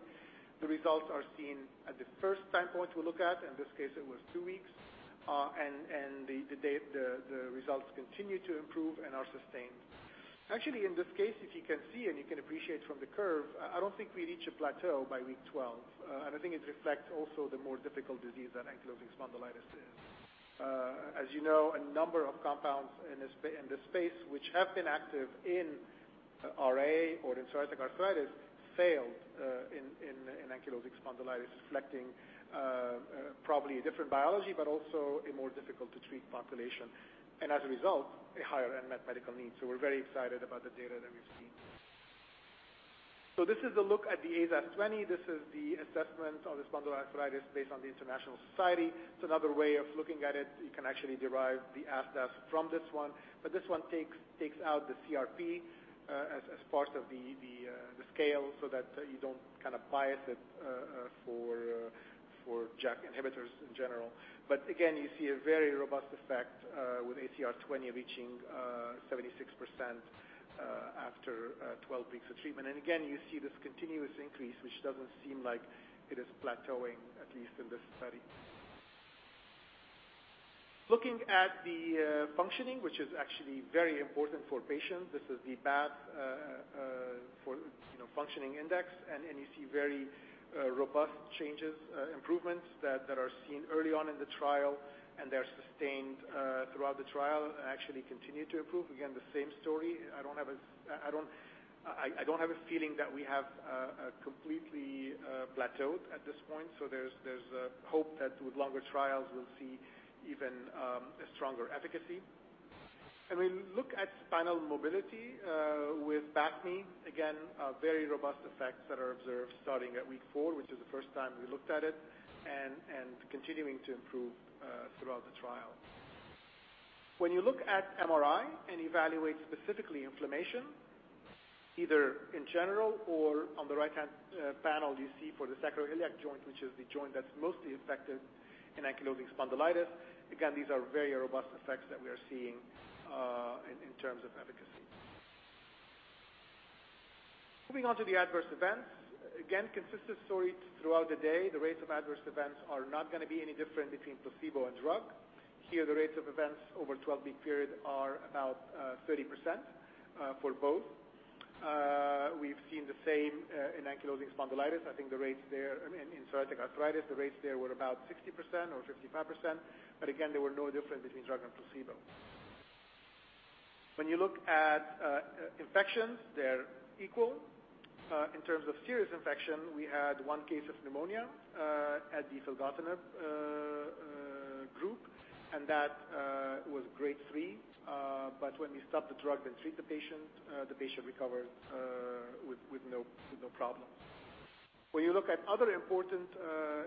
The results are seen at the first time point we look at. In this case, it was two weeks. The results continue to improve and are sustained. Actually, in this case, if you can see and you can appreciate from the curve, I don't think we reach a plateau by week 12. I think it reflects also the more difficult disease that ankylosing spondylitis is. As you know, a number of compounds in this space which have been active in RA or in psoriatic arthritis failed in ankylosing spondylitis, reflecting probably a different biology, but also a more difficult to treat population. As a result, a higher unmet medical need. We're very excited about the data that we've seen. This is a look at the ASAS20. This is the assessment of the spondyloarthritis based on the international society. It's another way of looking at it. You can actually derive the ASDAS from this one. But this one takes out the CRP as part of the scale so that you don't kind of bias it for JAK inhibitors in general. Again, you see a very robust effect with ACR20 reaching 76% after 12 weeks of treatment. Again, you see this continuous increase, which doesn't seem like it is plateauing, at least in this study. Looking at the functioning, which is actually very important for patients. This is the BASFI, Functioning Index. You see very robust changes, improvements that are seen early on in the trial and they're sustained throughout the trial and actually continue to improve. Again, the same story. I don't have a feeling that we have completely plateaued at this point. There's hope that with longer trials, we'll see even a stronger efficacy. We look at spinal mobility with BASMI. Again, very robust effects that are observed starting at week four, which is the first time we looked at it, and continuing to improve throughout the trial. When you look at MRI and evaluate specifically inflammation, either in general or on the right-hand panel, you see for the sacroiliac joint, which is the joint that's mostly affected in ankylosing spondylitis. Again, these are very robust effects that we are seeing in terms of efficacy. Moving on to the adverse events. Again, consistent story throughout the day. The rates of adverse events are not going to be any different between placebo and drug. Here, the rates of events over 12-week period are about 30% for both. We've seen the same in ankylosing spondylitis. I think the rates there in psoriatic arthritis, the rates there were about 60% or 55%, but again, there were no difference between drug and placebo. When you look at infections, they're equal. In terms of serious infection, we had one case of pneumonia at the filgotinib group, and that was grade 3. When we stop the drug and treat the patient, the patient recovered with no problems. When you look at other important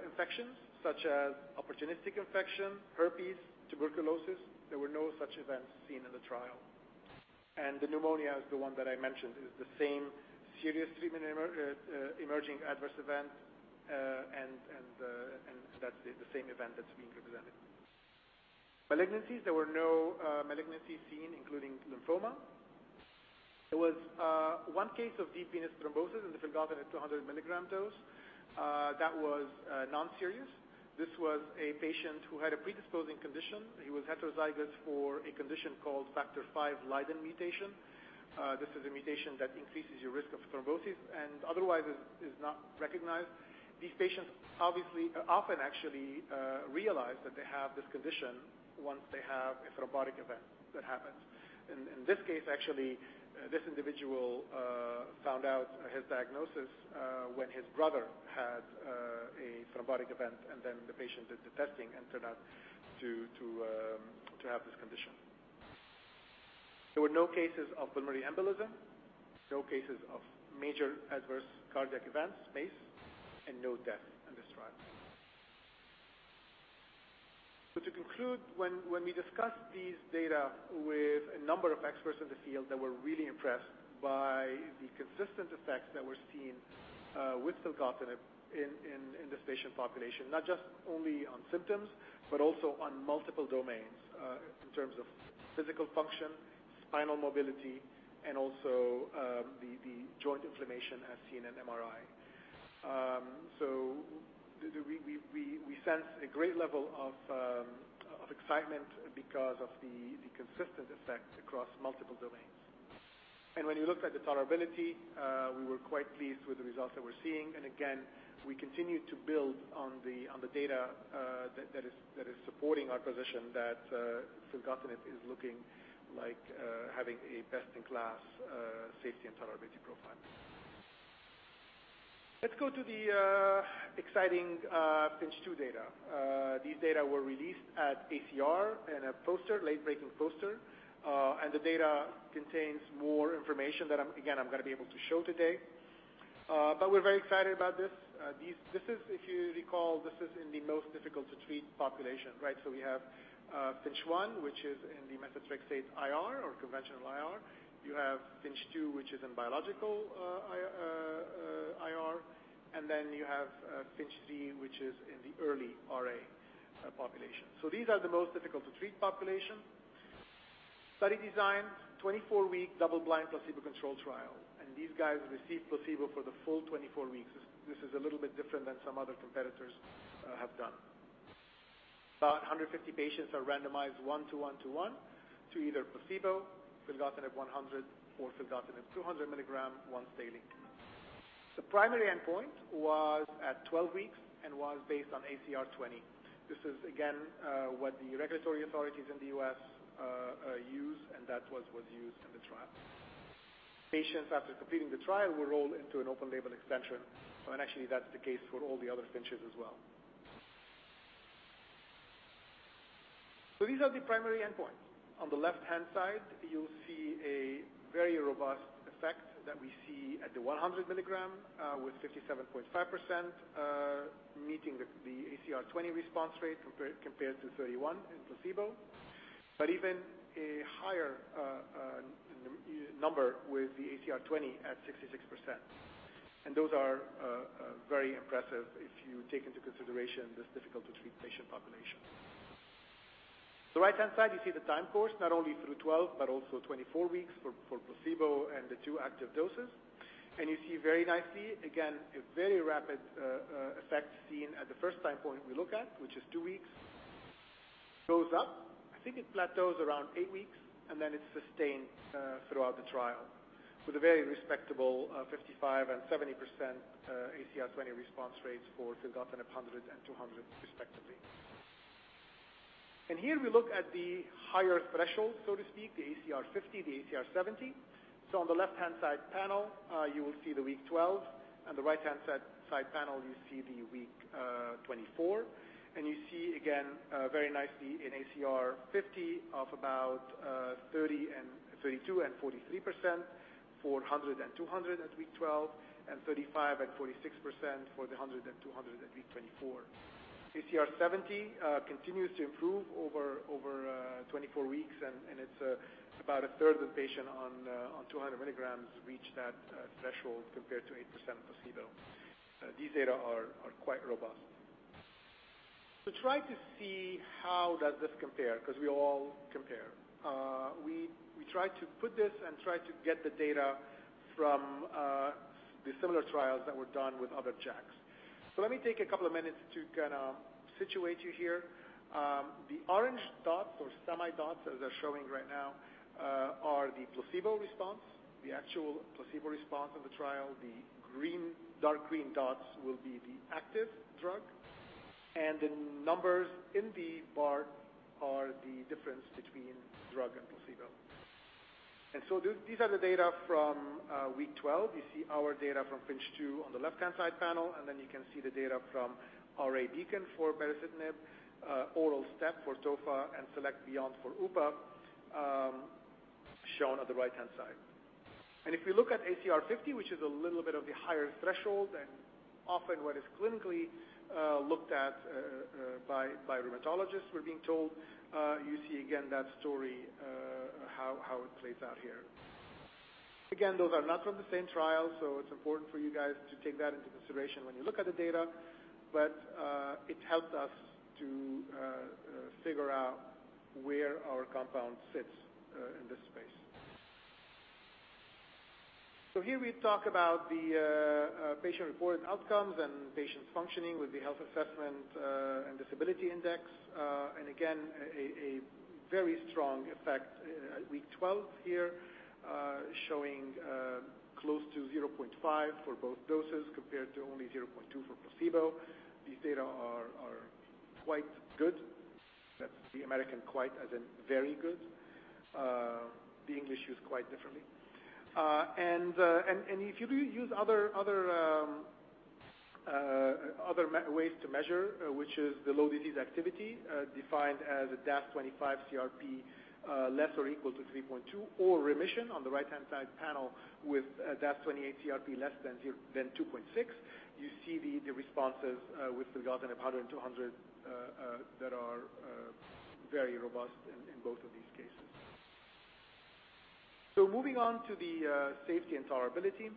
infections such as opportunistic infection, herpes, tuberculosis, there were no such events seen in the trial. The pneumonia is the one that I mentioned, is the same serious treatment emerging adverse event, and that's the same event that's being represented. Malignancies, there were no malignancies seen, including lymphoma. There was one case of deep venous thrombosis in filgotinib 200 milligram dose. That was non-serious. This was a patient who had a predisposing condition. He was heterozygous for a condition called Factor V Leiden mutation. This is a mutation that increases your risk of thrombosis and otherwise is not recognized. These patients obviously often actually realize that they have this condition once they have a thrombotic event that happens. In this case, actually, this individual found out his diagnosis when his brother had a thrombotic event, and then the patient did the testing and turned out to have this condition. There were no cases of pulmonary embolism, no cases of major adverse cardiac events, MACE, and no death in this trial. To conclude, when we discussed these data with a number of experts in the field, they were really impressed by the consistent effects that were seen with filgotinib in this patient population. Not just only on symptoms, but also on multiple domains in terms of physical function, spinal mobility, and also the joint inflammation as seen in MRI. We sense a great level of excitement because of the consistent effect across multiple domains. When you look at the tolerability, we were quite pleased with the results that we're seeing. Again, we continue to build on the data that is supporting our position that filgotinib is looking like having a best-in-class safety and tolerability profile. Let's go to the exciting FINCH 2 data. These data were released at ACR in a late-breaking poster. The data contains more information that, again, I'm going to be able to show today. We're very excited about this. If you recall, this is in the most difficult to treat population, right? We have FINCH 1, which is in the methotrexate IR or conventional IR. You have FINCH 2, which is in biological IR, and then you have FINCH 3, which is in the early RA population. These are the most difficult to treat population. Study design, 24-week double-blind placebo-controlled trial, and these guys received placebo for the full 24 weeks. This is a little bit different than some other competitors have done. About 150 patients are randomized one to one to one to either placebo, filgotinib 100, or filgotinib 200 milligram once daily. The primary endpoint was at 12 weeks and was based on ACR20. This is, again, what the regulatory authorities in the U.S. use, and that was what was used in the trial. Patients after completing the trial were rolled into an open-label extension, and actually, that's the case for all the other FINCHs as well. These are the primary endpoints. On the left-hand side, you'll see a very robust effect that we see at the 100 milligram with 57.5% meeting the ACR20 response rate compared to 31% in placebo, but even a higher number with the ACR20 at 66%. Those are very impressive if you take into consideration this difficult to treat patient population. The right-hand side, you see the time course, not only through 12 but also 24 weeks for placebo and the two active doses. You see very nicely, again, a very rapid effect seen at the first time point we look at, which is two weeks. Goes up, I think it plateaus around eight weeks, and then it's sustained throughout the trial with a very respectable 55% and 70% ACR20 response rates for filgotinib 100 and 200 respectively. Here we look at the higher threshold, so to speak, the ACR50, the ACR70. On the left-hand side panel, you will see the week 12, and the right-hand side panel, you see the week 24. You see again, very nicely in ACR50 of about 32% and 43% for 100 and 200 at week 12, and 35% and 46% for the 100 and 200 at week 24. ACR70 continues to improve over 24 weeks, it's about a third of the patient on 200 milligrams reached that threshold compared to 8% of placebo. These data are quite robust. To try to see how does this compare, because we all compare, we tried to put this and tried to get the data from the similar trials that were done with other JAKs. Let me take a couple of minutes to kind of situate you here. The orange dots or semi dots as they're showing right now are the placebo response, the actual placebo response of the trial. The dark green dots will be the active drug. The numbers in the bar are the difference between drug and placebo. These are the data from week 12. You see our data from FINCH 2 on the left-hand side panel, then you can see the data from RA-BEACON for baricitinib, ORAL Step for tofa, and SELECT-BEYOND for UPA, shown on the right-hand side. If we look at ACR50, which is a little bit of the higher threshold and often what is clinically looked at by rheumatologists, we're being told, you see again that story, how it plays out here. Again, those are not from the same trial, so it's important for you guys to take that into consideration when you look at the data. It helps us to figure out where our compound sits in this space. Here we talk about the patient-reported outcomes and patient functioning with the health assessment and disability index. Again, a very strong effect at week 12 here, showing close to 0.5 for both doses, compared to only 0.2 for placebo. These data are quite good. That's the American "quite" as in very good. The English use quite differently. If you do use other ways to measure, which is the low disease activity, defined as a DAS28-CRP less or equal to 3.2, or remission on the right-hand side panel with a DAS28-CRP less than 2.6, you see the responses with filgotinib 100, 200 that are very robust in both of these cases. Moving on to the safety and tolerability.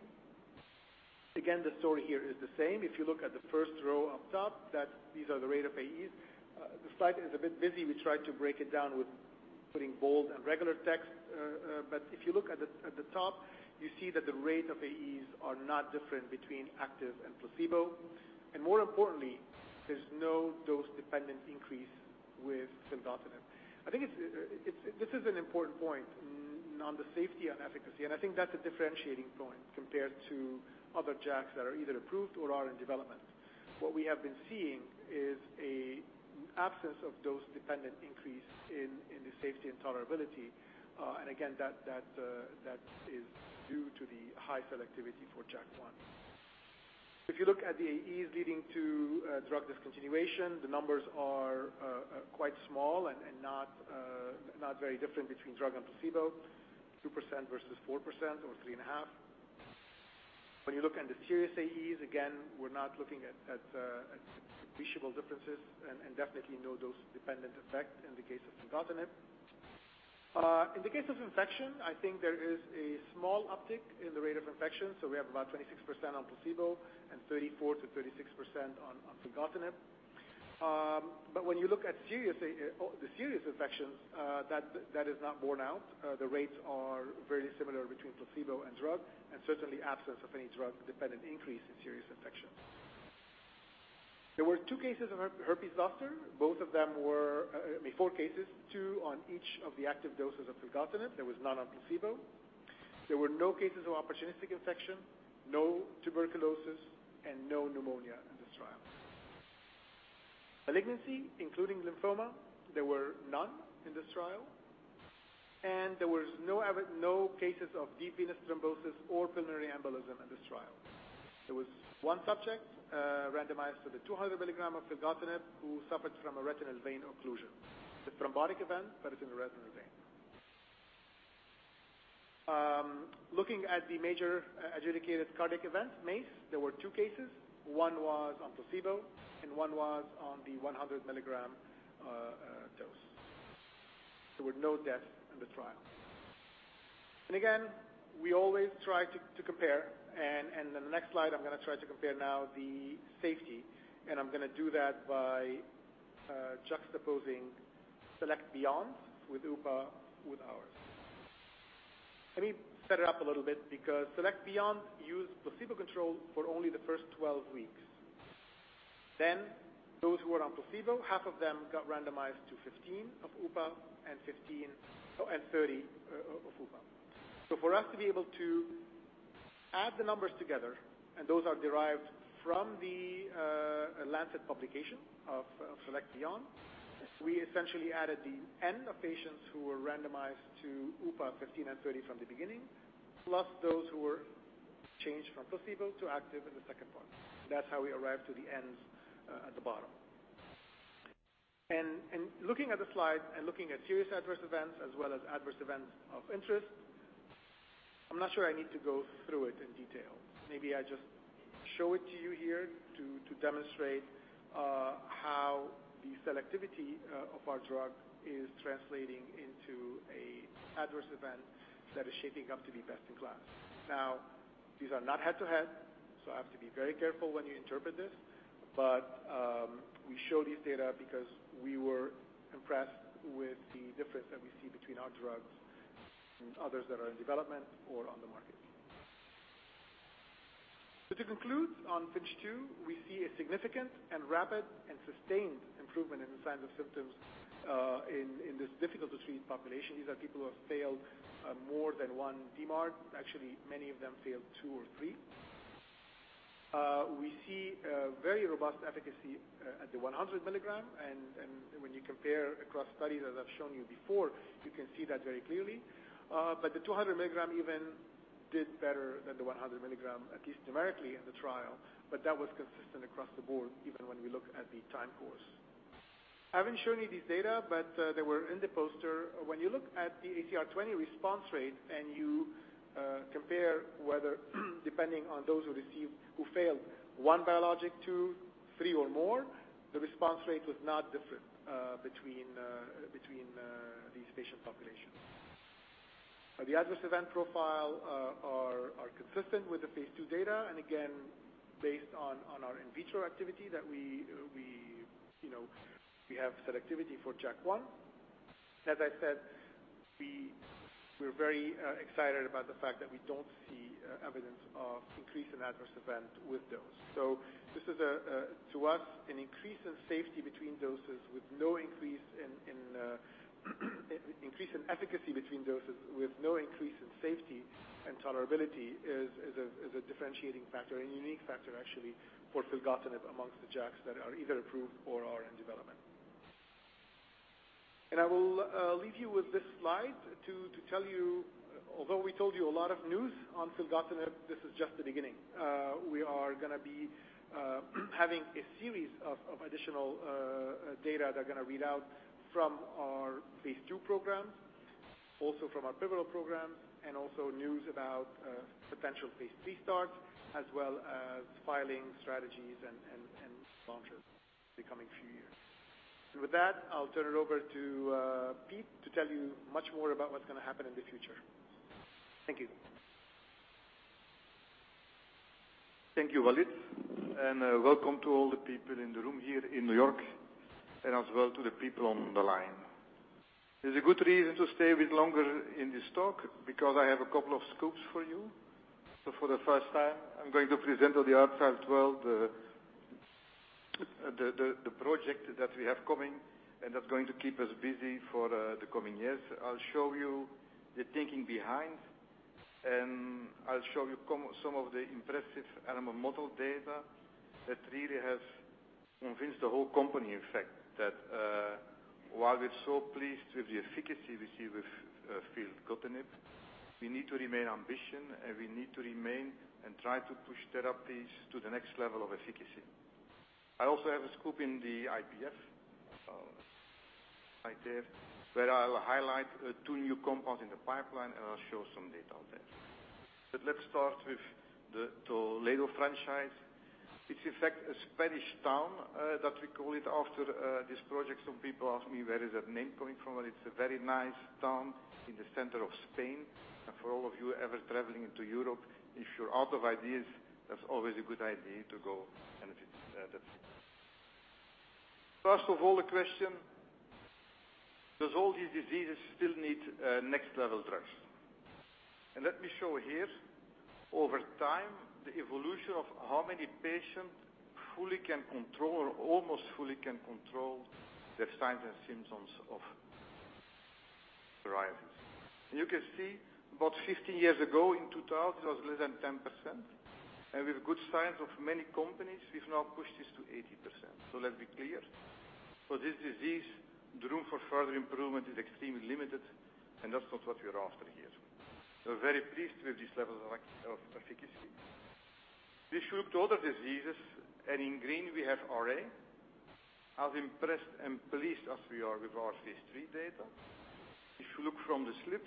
Again, the story here is the same. If you look at the first row up top, these are the rate of AEs. The slide is a bit busy. We tried to break it down with putting bold and regular text. If you look at the top, you see that the rate of AEs are not different between active and placebo. More importantly, there's no dose-dependent increase with filgotinib. I think this is an important point on the safety and efficacy, and I think that's a differentiating point compared to other JAKs that are either approved or are in development. What we have been seeing is an absence of dose-dependent increase in the safety and tolerability. Again, that is due to the high selectivity for JAK1. If you look at the AEs leading to drug discontinuation, the numbers are quite small and not very different between drug and placebo, 2% versus 4% or three and a half. When you look at the serious AEs, again, we're not looking at appreciable differences and definitely no dose-dependent effect in the case of filgotinib. In the case of infection, I think there is a small uptick in the rate of infection. We have about 26% on placebo and 34%-36% on filgotinib. When you look at the serious infections, that is not borne out. The rates are very similar between placebo and drug and certainly absence of any drug-dependent increase in serious infection. There were two cases of herpes zoster. Four cases, two on each of the active doses of filgotinib. There was none on placebo. There were no cases of opportunistic infection, no tuberculosis, and no pneumonia in this trial. Malignancy, including lymphoma, there were none in this trial. There were no cases of deep venous thrombosis or pulmonary embolism in this trial. There was one subject randomized to the 200 milligrams of filgotinib who suffered from a retinal vein occlusion. It's a thrombotic event, it's in the retinal vein. Looking at the major adjudicated cardiac events, MACE, there were two cases. One was on placebo and one was on the 100-milligram dose. There were no deaths in the trial. Again, we always try to compare. In the next slide, I'm going to try to compare now the safety, and I'm going to do that by juxtaposing SELECT-BEYOND with UPA with ours. Let me set it up a little bit because SELECT-BEYOND used placebo control for only the first 12 weeks. Those who were on placebo, half of them got randomized to 15 of UPA and 30 of UPA. For us to be able to add the numbers together, those are derived from The Lancet publication of SELECT-BEYOND, we essentially added the N of patients who were randomized to UPA 15 and 30 from the beginning, plus those who were changed from placebo to active in the second part. That's how we arrived to the Ns at the bottom. Looking at the slide and looking at serious adverse events as well as adverse events of interest, I'm not sure I need to go through it in detail. Maybe I just show it to you here to demonstrate how the selectivity of our drug is translating into an adverse event that is shaping up to be best in class. These are not head-to-head, I have to be very careful when you interpret this. We show these data because we were impressed with the difference that we see between our drugs and others that are in development or on the market. To conclude on FINCH 2, we see a significant and rapid and sustained improvement in the signs of symptoms in this difficult-to-treat population. These are people who have failed more than one DMARD. Actually, many of them failed two or three. We see very robust efficacy at the 100 milligrams. When you compare across studies, as I've shown you before, you can see that very clearly. The 200 milligrams even did better than the 100 milligrams, at least numerically in the trial. That was consistent across the board, even when we look at the time course. I haven't shown you this data, they were in the poster. When you look at the ACR20 response rate, and you compare whether, depending on those who failed one biologic, two, three, or more, the response rate was not different between these patient populations. The adverse event profile are consistent with the phase II data, and again, based on our in vitro activity that we have selectivity for JAK1. This is, to us, an increase in efficacy between doses with no increase in safety and tolerability, is a differentiating factor, and a unique factor, actually, for filgotinib amongst the JAKs that are either approved or are in development. I will leave you with this slide to tell you, although we told you a lot of news on filgotinib, this is just the beginning. We are going to be having a series of additional data that are going to read out from our phase II programs, also from our pivotal programs, and also news about potential phase III starts, as well as filing strategies and launches the coming few years. With that, I'll turn it over to Piet to tell you much more about what's going to happen in the future. Thank you. Thank you, Walid, and welcome to all the people in the room here in New York, and as well to the people on the line. There's a good reason to stay a bit longer in this talk, because I have a couple of scoops for you. For the first time, I'm going to present to the outside world the project that we have coming and that's going to keep us busy for the coming years. I'll show you the thinking behind, and I'll show you some of the impressive animal model data that really has convinced the whole company, in fact, that while we're so pleased with the efficacy we see with filgotinib, we need to remain ambitious, and we need to remain and try to push therapies to the next level of efficacy. I also have a scoop in the IPF slide there, where I will highlight two new compounds in the pipeline, and I'll show some data on them. Let's start with the Toledo franchise. It's in fact a Spanish town that we call it after this project. Some people ask me, "Where is that name coming from?" It's a very nice town in the center of Spain. For all of you ever traveling to Europe, if you're out of ideas, that's always a good idea to go and visit. First of all, the question, do all these diseases still need next-level drugs? Let me show here, over time, the evolution of how many patients fully can control or almost fully can control their signs and symptoms of arthritis. You can see about 50 years ago, in 2000, it was less than 10%. With good signs of many companies, we've now pushed this to 80%. Let's be clear. For this disease, the room for further improvement is extremely limited, and that's not what we are after here. We're very pleased with this level of efficacy. If you look to other diseases, in green we have RA, as impressed and pleased as we are with our phase III data. If you look from the flip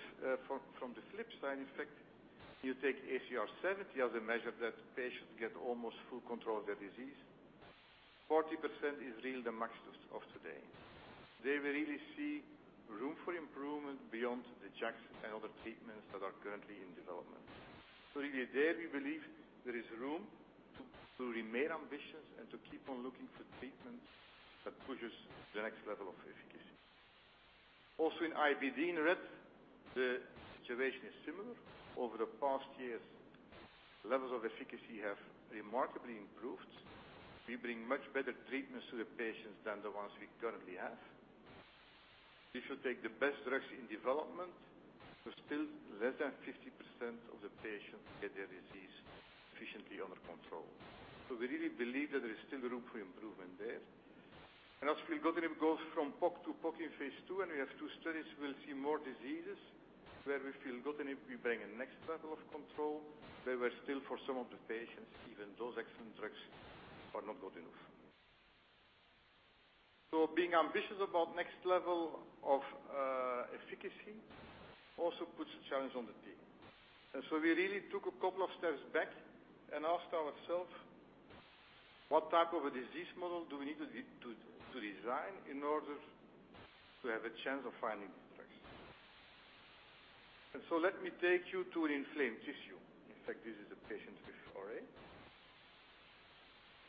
side effect, you take ACR70 as a measure that patients get almost full control of their disease, 40% is really the max of today. There, we really see room for improvement beyond the JAKs and other treatments that are currently in development. Really there, we believe there is room to remain ambitious and to keep on looking for treatment that pushes the next level of efficacy. Also in IBD in red, the situation is similar. Over the past years, levels of efficacy have remarkably improved. We bring much better treatments to the patients than the ones we currently have. If you take the best drugs in development, there's still less than 50% of the patients get their disease efficiently under control. We really believe that there is still room for improvement there. As filgotinib goes from POC to POC in phase II, and we have two studies, we'll see more diseases where with filgotinib we bring a next level of control. There were still for some of the patients, even those excellent drugs are not good enough. Being ambitious about next level of efficacy also puts a challenge on the team. We really took a couple of steps back and asked ourselves, what type of a disease model do we need to design in order to have a chance of finding drugs? Let me take you to an inflamed tissue. In fact, this is a patient with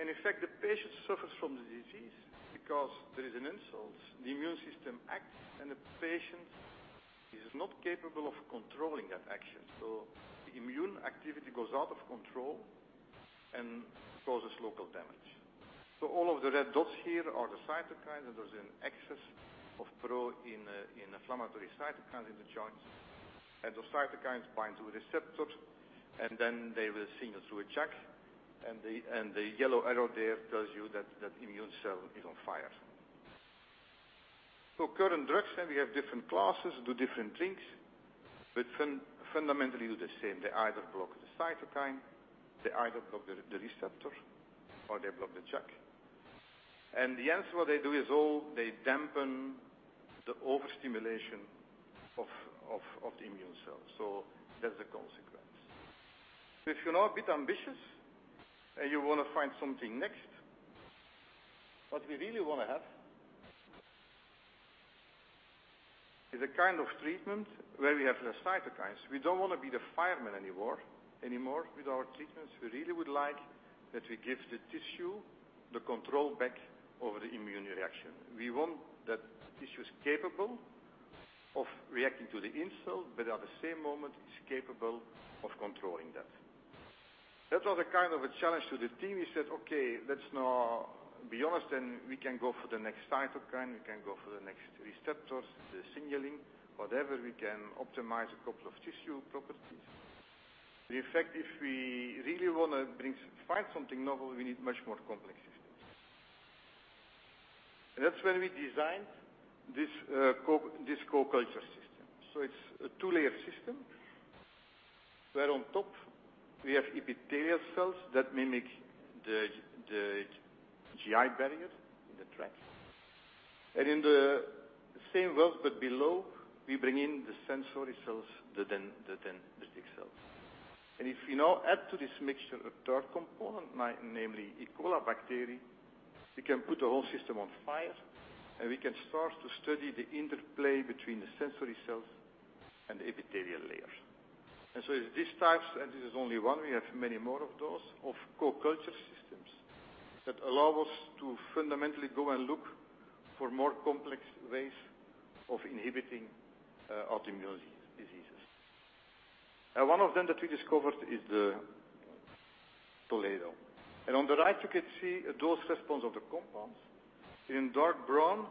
OA. In fact, the patient suffers from the disease because there is an insult. The immune system acts, and the patient is not capable of controlling that action. The immune activity goes out of control and causes local damage. All of the red dots here are the cytokines, and there's an excess of pro-inflammatory cytokines in the joints. Those cytokines bind to the receptors, and then they will signal through a JAK, and the yellow arrow there tells you that that immune cell is on fire. Current drugs, and we have different classes that do different things, but fundamentally do the same. They either block the cytokine, they either block the receptor, or they block the JAK. The answer, what they do is they dampen the overstimulation of the immune cells. That's the consequence. If you're now a bit ambitious and you want to find something next, what we really want to have is a kind of treatment where we have less cytokines. We don't want to be the firemen anymore with our treatments. We really would like that we give the tissue the control back over the immune reaction. We want that the tissue is capable of reacting to the insult, but at the same moment, it's capable of controlling that. That was a kind of a challenge to the team. We said, "Okay, let's now be honest, we can go for the next cytokine, we can go for the next receptors, the signaling, whatever we can optimize a couple of tissue properties." The effect, if we really want to find something novel, we need much more complex systems. That's when we designed this co-culture system. It's a two-layer system, where on top we have epithelial cells that mimic the GI barrier in the tract. In the same well but below, we bring in the sensory cells, the dendritic cells. If we now add to this mixture a third component, namely E. coli bacteria, we can put the whole system on fire, and we can start to study the interplay between the sensory cells and the epithelial layers. It's these types, and this is only one, we have many more of those, of co-culture systems that allow us to fundamentally go and look for more complex ways of inhibiting autoimmune diseases. One of them that we discovered is the Toledo. On the right, you can see a dose response of the compounds. In dark brown,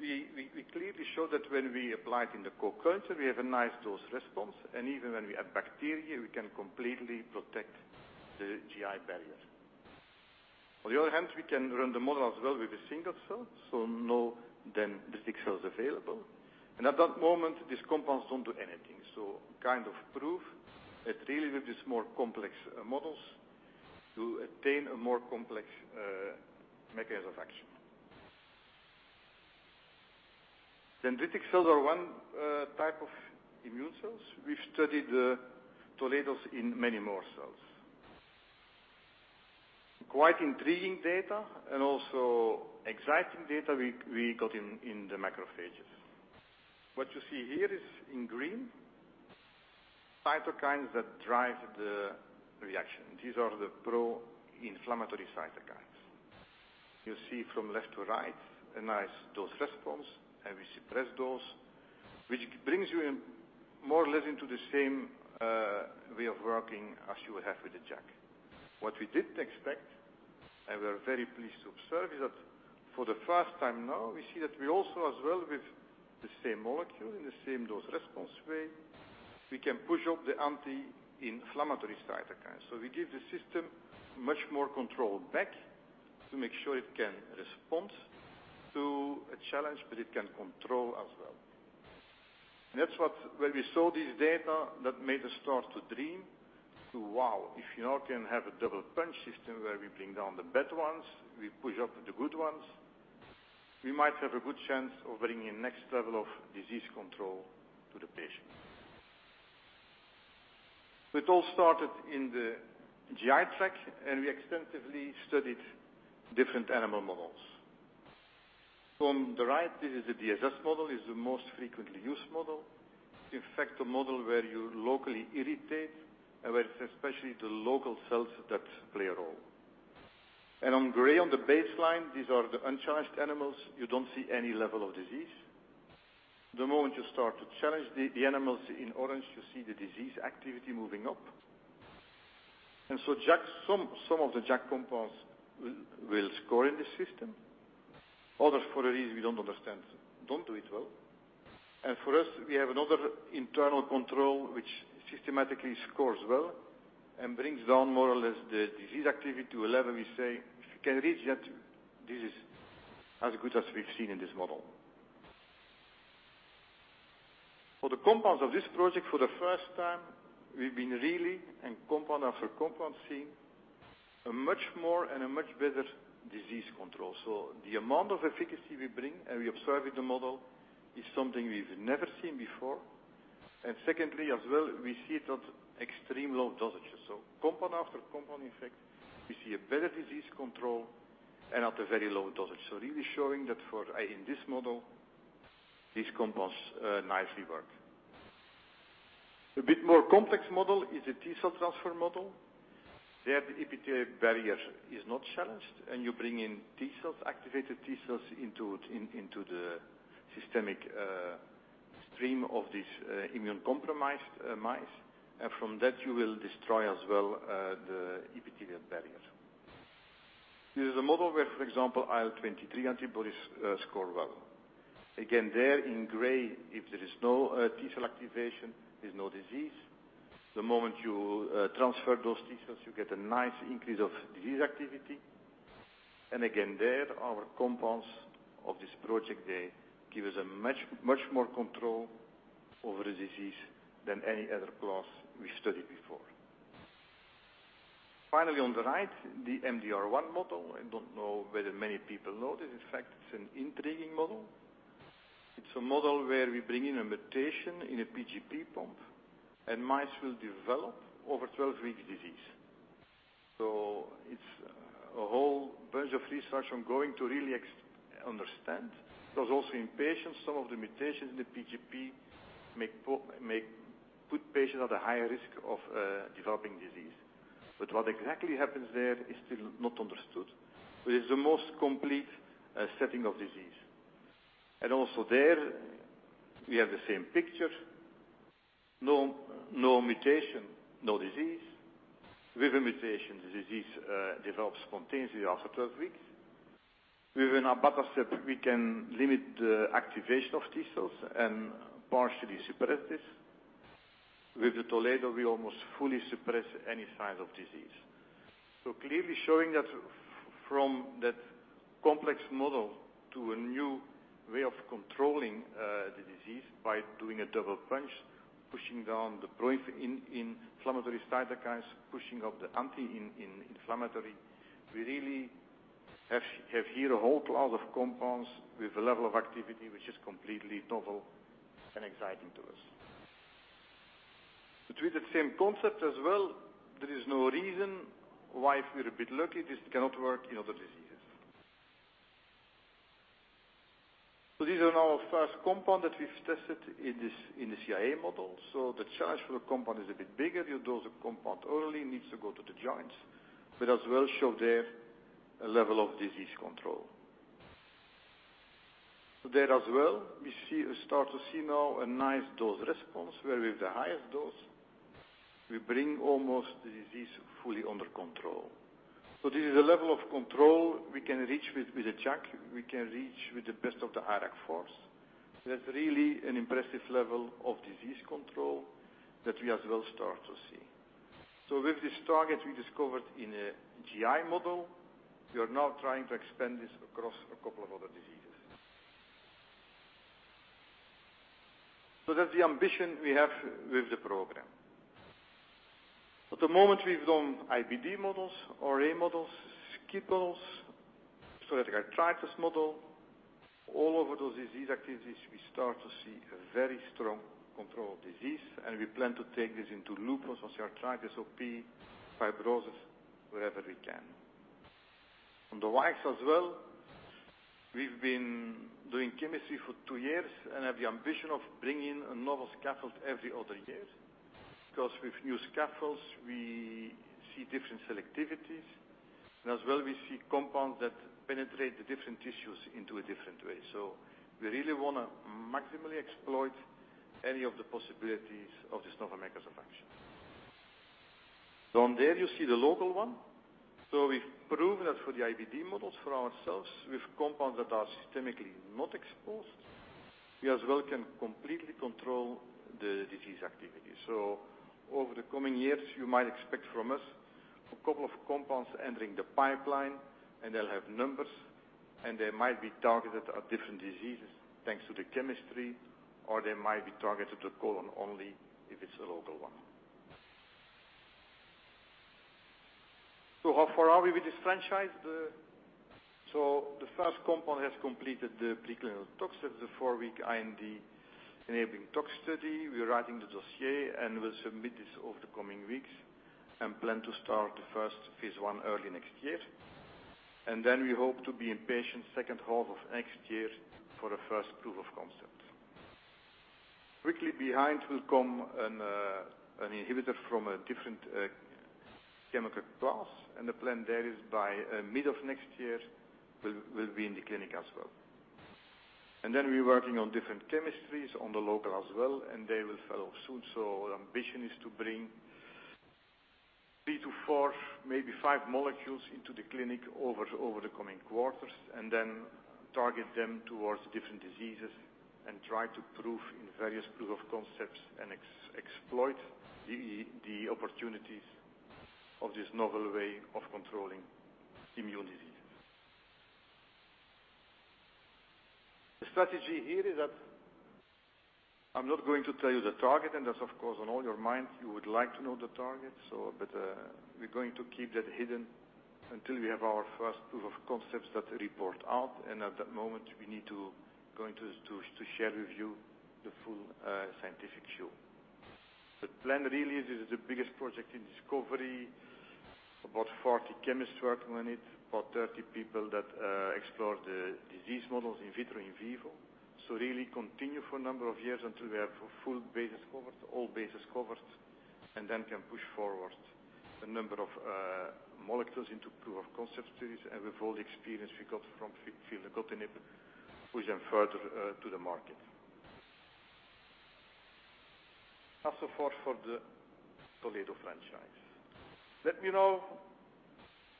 we clearly show that when we apply it in the co-culture, we have a nice dose response. Even when we add bacteria, we can completely protect the GI barrier. On the other hand, we can run the model as well with a single cell, so no dendritic cells available. At that moment, these compounds don't do anything. Kind of proof that really with these more complex models to attain a more complex mechanism action. Dendritic cells are type 1 of immune cells. We've studied the Toledos in many more cells. Quite intriguing data and also exciting data we got in the macrophages. What you see here is in green cytokines that drive the reaction. These are the pro-inflammatory cytokines. You see from left to right, a nice dose response, and we suppress those, which brings you more or less into the same way of working as you would have with a JAK. What we didn't expect and we're very pleased to observe is that for the first time now, we see that we also, as well with the same molecule in the same dose response way, we can push up the anti-inflammatory cytokines. We give the system much more control back to make sure it can respond to a challenge, but it can control as well. That's what, when we saw this data, that made us start to dream to, "Wow, if you now can have a double punch system where we bring down the bad ones, we push up the good ones, we might have a good chance of bringing a next level of disease control to the patient." It all started in the GI tract, we extensively studied different animal models. From the right, this is a DSS model, is the most frequently used model. In fact, a model where you locally irritate and where it's especially the local cells that play a role. On gray on the baseline, these are the uncharged animals. You don't see any level of disease. The moment you start to challenge the animals in orange, you see the disease activity moving up. Some of the JAK compounds will score in this system. Others, for a reason we don't understand, don't do it well. For us, we have another internal control which systematically scores well and brings down more or less the disease activity to a level we say, "If you can reach that, this is as good as we've seen in this model." For the compounds of this project, for the first time, we've been really, and compound after compound, seeing a much more and a much better disease control. The amount of efficacy we bring and we observe in the model is something we've never seen before. Secondly, as well, we see it at extreme low dosages. Compound after compound, in fact, we see a better disease control and at a very low dosage. Really showing that in this model, these compounds nicely work. A bit more complex model is a T cell transfer model. There, the epithelial barrier is not challenged, and you bring in T cells, activated T cells into the systemic stream of these immunocompromised mice. From that, you will destroy as well the epithelial barrier. This is a model where, for example, IL-23 antibodies score well. Again, there in gray, if there is no T cell activation, there's no disease. The moment you transfer those T cells, you get a nice increase of disease activity. Again, there, our compounds of this project give us a much more control over the disease than any other class we studied before. Finally, on the right, the MDR1 model. I don't know whether many people know this. In fact, it's an intriguing model. It's a model where we bring in a mutation in a P-gp pump, and mice will develop over 12 weeks disease. It's a whole bunch of research I'm going to really understand. Also in patients, some of the mutations in the P-gp put patients at a higher risk of developing disease. What exactly happens there is still not understood. It's the most complete setting of disease. Also there, we have the same picture. No mutation, no disease. With a mutation, the disease develops spontaneously after 12 weeks. With an abatacept, we can limit the activation of T cells and partially suppress this. With the Toledo, we almost fully suppress any sign of disease. Clearly showing that from that complex model to a new way of controlling the disease by doing a double punch, pushing down the pro-inflammatory cytokines, pushing up the anti-inflammatory. We really have here a whole class of compounds with a level of activity which is completely novel and exciting to us. Between the same concept as well, there is no reason why, if we're a bit lucky, this cannot work in other diseases. These are now first compound that we've tested in the CIA model. The charge for the compound is a bit bigger. The dose of compound only needs to go to the joints, but as well show there a level of disease control. There as well, we start to see now a nice dose response where with the highest dose, we bring almost the disease fully under control. This is a level of control we can reach with a JAK, we can reach with the best of the IRAK4s. That's really an impressive level of disease control that we as well start to see. With this target we discovered in a GI model, we are now trying to expand this across a couple of other diseases. That's the ambition we have with the program. At the moment, we've done IBD models, RA models, skin models, psoriatic arthritis model. All over those disease activities, we start to see a very strong control of disease, and we plan to take this into lupus, osteoarthritis, OP, fibrosis, wherever we can. On the years as well, we've been doing chemistry for two years and have the ambition of bringing a novel scaffold every other year. Because with new scaffolds, we see different selectivities. As well, we see compounds that penetrate the different tissues into a different way. We really want to maximally exploit any of the possibilities of this novel mechanism action. From there, you see the local one. We've proven that for the IBD models for ourselves, with compounds that are systemically not exposed, we as well can completely control the disease activity. Over the coming years, you might expect from us a couple of compounds entering the pipeline, and they'll have numbers, and they might be targeted at different diseases, thanks to the chemistry, or they might be targeted to colon only if it's a local one. How far are we with this franchise? The first compound has completed the preclinical tox. That's the four-week IND-enabling tox study. We're writing the dossier, and we'll submit this over the coming weeks and plan to start the first phase I early next year. Then we hope to be in patient second half of next year for a first proof of concept. Quickly behind will come an inhibitor from a different chemical class, the plan there is by mid of next year, we'll be in the clinic as well. Then we're working on different chemistries on the local as well, and they will follow soon. Our ambition is to bring three to four, maybe five molecules into the clinic over the coming quarters, and then target them towards different diseases and try to prove in various proof of concepts and exploit the opportunities of this novel way of controlling immune diseases. The strategy here is that I'm not going to tell you the target, and that's, of course, on all your minds. You would like to know the target. We're going to keep that hidden until we have our first proof of concepts that report out. At that moment, we need to share with you the full scientific show. The plan really is, this is the biggest project in discovery, about 40 chemists working on it, about 30 people that explore the disease models in vitro, in vivo. Really continue for a number of years until we have a full base discovered, all bases covered. Then can push forward a number of molecules into proof of concept studies, and with all the experience we got from filgotinib, push them further to the market. That's so forth for the Toledo franchise. Let me now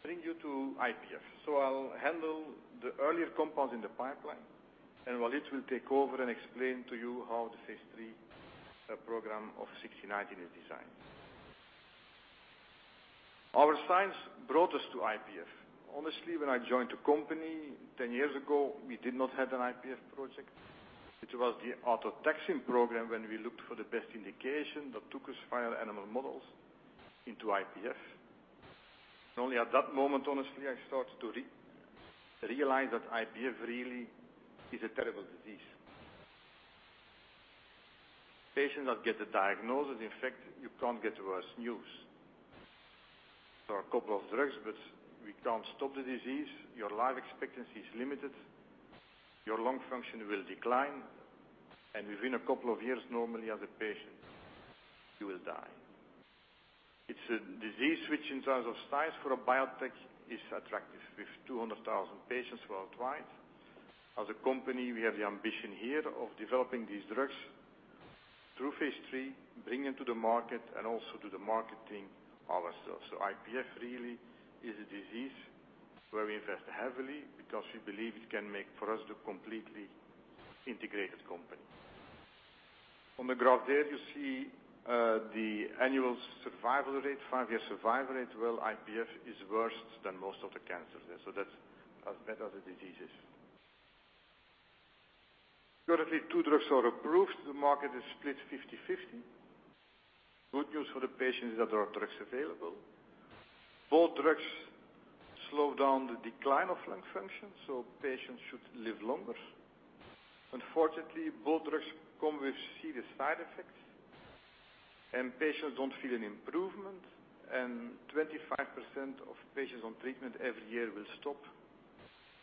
bring you to IPF. I'll handle the earlier compounds in the pipeline, and Walid will take over and explain to you how the phase III program of 6019 is designed. Our science brought us to IPF. Honestly, when I joined the company 10 years ago, we did not have an IPF project. It was the autotaxin program when we looked for the best indication that took us via animal models into IPF. It is only at that moment, honestly, I start to realize that IPF really is a terrible disease. Patients that get the diagnosis, in fact, you cannot get worse news. There are a couple of drugs, but we cannot stop the disease. Your life expectancy is limited. Your lung function will decline, and within a couple of years, normally as a patient, you will die. It is a disease which in terms of size for a biotech is attractive, with 200,000 patients worldwide. As a company, we have the ambition here of developing these drugs through phase III, bring them to the market, and also do the marketing ourselves. IPF really is a disease where we invest heavily because we believe it can make for us the completely integrated company. On the graph there you see the annual survival rate, five-year survival rate. That is how bad the disease is. Currently, two drugs are approved. The market is split 50/50. Good news for the patients is that there are drugs available. Both drugs slow down the decline of lung function, so patients should live longer. Unfortunately, both drugs come with serious side effects, and patients do not feel an improvement. 25% of patients on treatment every year will stop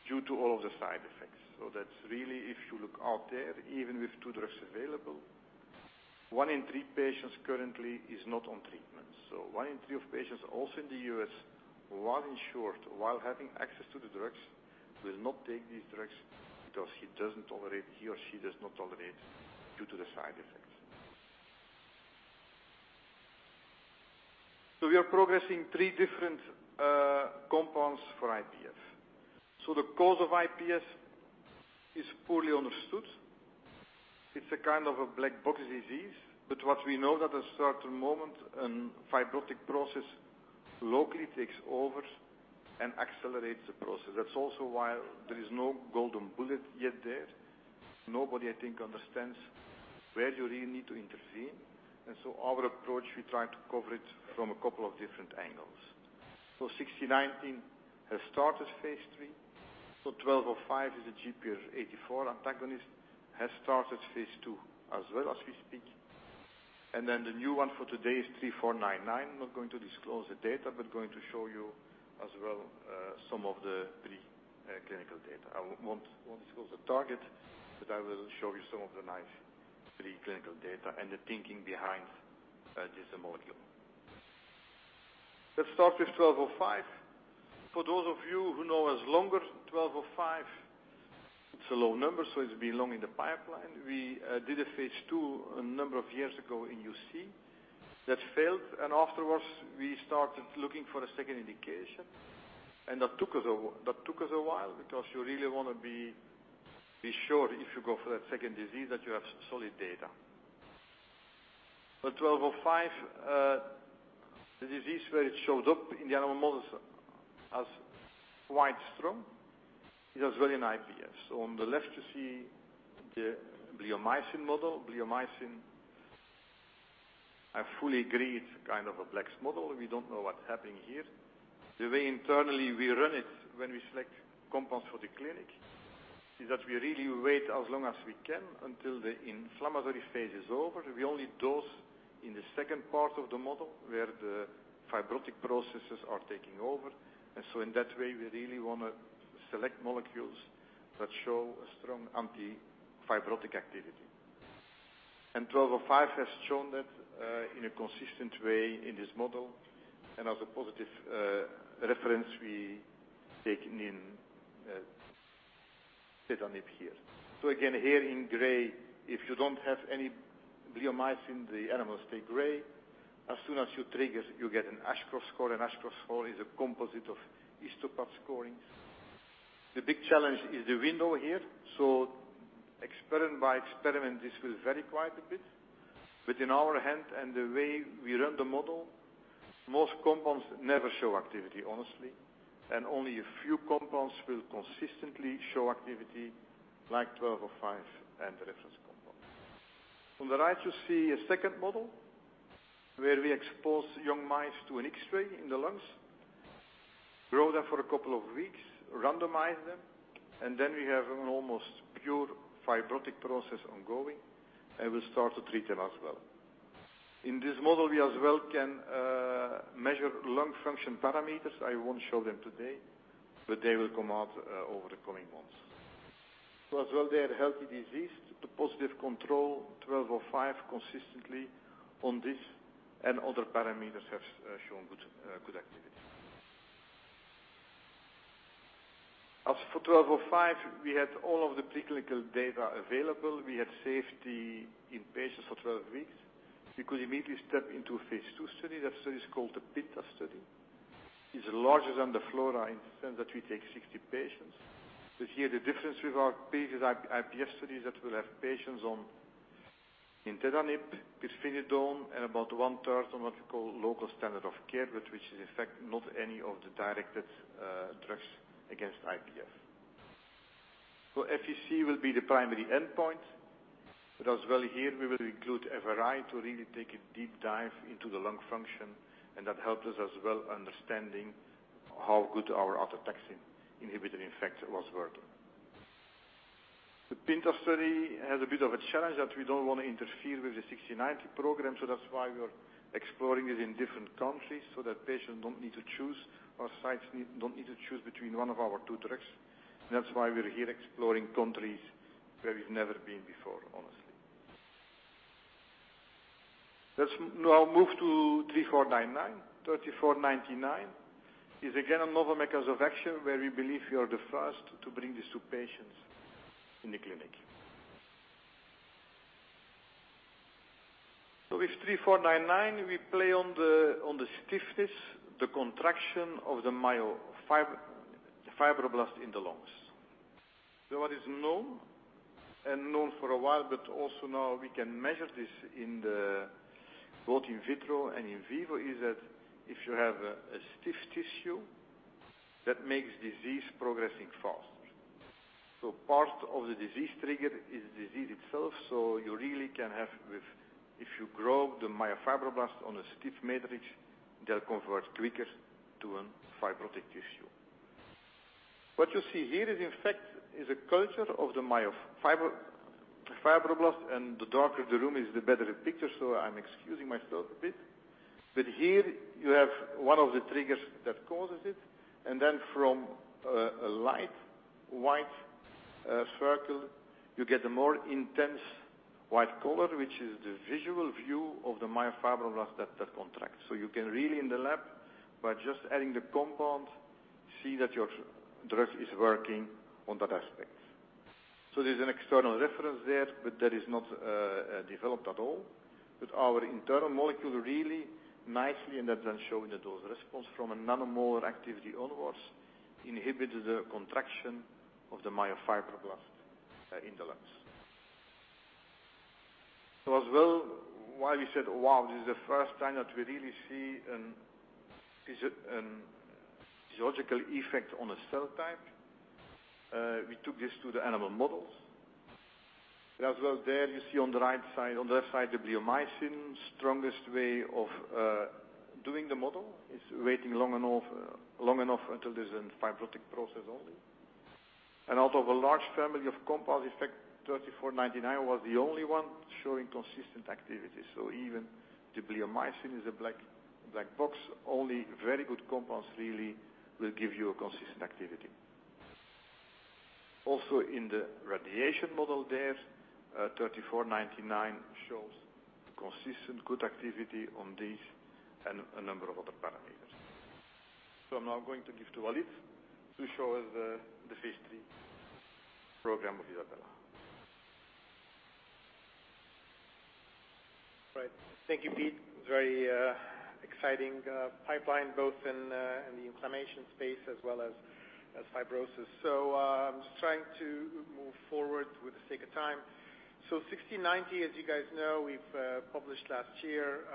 due to all of the side effects. That is really if you look out there, even with two drugs available, one in three patients currently is not on treatment. One in three of patients, also in the U.S., while insured, while having access to the drugs, will not take these drugs because he or she does not tolerate due to the side effects. We are progressing three different compounds for IPF. The cause of IPF is poorly understood. It is a kind of a black box disease. What we know that at a certain moment, a fibrotic process locally takes over and accelerates the process. That is also why there is no golden bullet yet there. Nobody, I think, understands where you really need to intervene. Our approach, we try to cover it from a couple of different angles. 6019 has started phase III. 1205 is a GPR84 antagonist, has started phase II as well, as we speak. Then the new one for today is 3499. I am not going to disclose the data, but I am going to show you as well some of the pre-clinical data. I will not disclose the target, but I will show you some of the nice pre-clinical data and the thinking behind this module. Let us start with 1205. For those of you who know us longer, 1205, it is a low number, so it has been long in the pipeline. We did a phase II a number of years ago in UC. That failed, and afterwards, we started looking for a second indication. That took us a while because you really want to be sure if you go for that second disease that you have solid data. 1205, the disease where it shows up in the animal models as quite strong is as well in IPF. On the left you see the bleomycin model. Bleomycin, I fully agree it's kind of a black model. We don't know what's happening here. The way internally we run it when we select compounds for the clinic is that we really wait as long as we can until the inflammatory phase is over. We only dose in the second part of the model where the fibrotic processes are taking over. In that way, we really want to select molecules that show a strong anti-fibrotic activity. GLPG1205 has shown that in a consistent way in this model. As a positive reference, we take in setipiprant here. Again, here in gray, if you don't have any bleomycin, the animals stay gray. As soon as you trigger, you get an Ashcroft score, an Ashcroft score is a composite of histopath scorings. The big challenge is the window here. Experiment by experiment, this will vary quite a bit. In our hand and the way we run the model, most compounds never show activity, honestly, and only a few compounds will consistently show activity like GLPG1205 and the reference compound. On the right you see a second model where we expose young mice to an X-ray in the lungs, grow them for a couple of weeks, randomize them, and then we have an almost pure fibrotic process ongoing, and we start to treat them as well. In this model, we as well can measure lung function parameters. I won't show them today, but they will come out over the coming months. As well there, healthy disease, the positive control GLPG1205 consistently on this and other parameters have shown good activity. For GLPG1205, we had all of the clinical data available. We had safety in patients for 12 weeks. We could immediately step into a phase II study. That study is called the PINTA study, is larger than the FLORA in the sense that we take 60 patients. Here the difference with our previous IPF study is that we'll have patients on nintedanib, pirfenidone, and about one-third on what we call local standard of care, but which is in fact not any of the directed drugs against IPF. FVC will be the primary endpoint, but as well here we will include FRI to really take a deep dive into the lung function, and that helped us as well understanding how good our autotaxin inhibitor, in fact, was working. The PINTA study has a bit of a challenge that we don't want to interfere with the GLPG1690 program, so that's why we're exploring it in different countries so that patients don't need to choose, our sites don't need to choose between one of our two drugs. That's why we're here exploring countries where we've never been before, honestly. Let's now move to 3499. 3499 is again a novel mechanism of action, where we believe we are the first to bring this to patients in the clinic. With 3499, we play on the stiffness, the contraction of the myofibroblast in the lungs. What is known, and known for a while, but also now we can measure this both in vitro and in vivo, is that if you have a stiff tissue, that makes disease progressing faster. Part of the disease trigger is the disease itself. You really can have, if you grow the myofibroblast on a stiff matrix, they'll convert quicker to a fibrotic tissue. What you see here is in fact is a culture of the myofibroblast, the darker the room is, the better the picture, I'm excusing myself a bit. Here you have one of the triggers that causes it, then from a light white circle, you get a more intense white color, which is the visual view of the myofibroblast that contracts. You can really in the lab, by just adding the compound, see that your drug is working on that aspect. There's an external reference there, that is not developed at all. Our internal molecule really nicely, and that then shown in the dose response from a nanomolar activity onwards, inhibited the contraction of the myofibroblast in the lungs. As well, why we said, "Wow, this is the first time that we really see a physiological effect on a cell type." We took this to the animal models, as well there you see on the left side, the bleomycin, strongest way of doing the model is waiting long enough until there's a fibrotic process only. Out of a large family of compounds, in fact, 3499 was the only one showing consistent activity. Even the bleomycin is a black box. Only very good compounds really will give you a consistent activity. Also in the radiation model there, 3499 shows consistent good activity on these and a number of other parameters. I'm now going to give to Walid to show the phase III program of ISABELA. Right. Thank you, Piet. It's a very exciting pipeline, both in the inflammation space as well as fibrosis. Just trying to move forward with the sake of time. 1690, as you guys know, we've published last year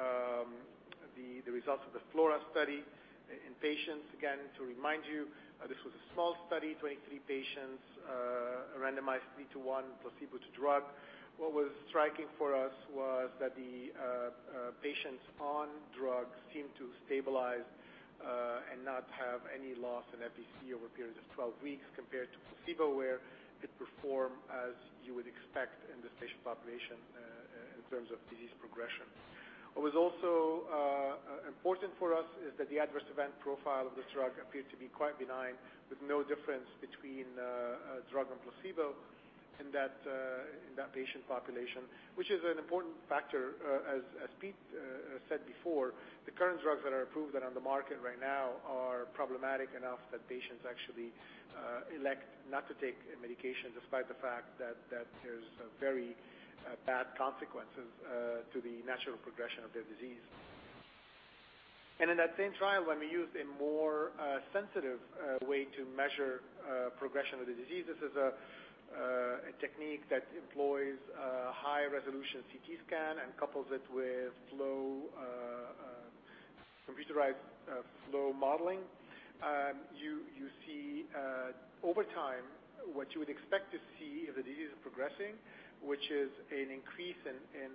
the results of the FLORA study in patients. Again, to remind you, this was a small study, 23 patients randomized three to one, placebo to drug. What was striking for us was that the patients on drug seemed to stabilize and not have any loss in FVC over a period of 12 weeks, compared to placebo, where it performed as you would expect in this patient population in terms of disease progression. What was also important for us is that the adverse event profile of the drug appeared to be quite benign, with no difference between drug and placebo in that patient population, which is an important factor. As Piet said before, the current drugs that are approved and on the market right now are problematic enough that patients actually elect not to take a medication, despite the fact that there's very bad consequences to the natural progression of their disease. In that same trial, when we used a more sensitive way to measure progression of the disease, this is a technique that employs a high-resolution CT scan and couples it with computerized flow modeling. You see over time, what you would expect to see if the disease is progressing, which is an increase in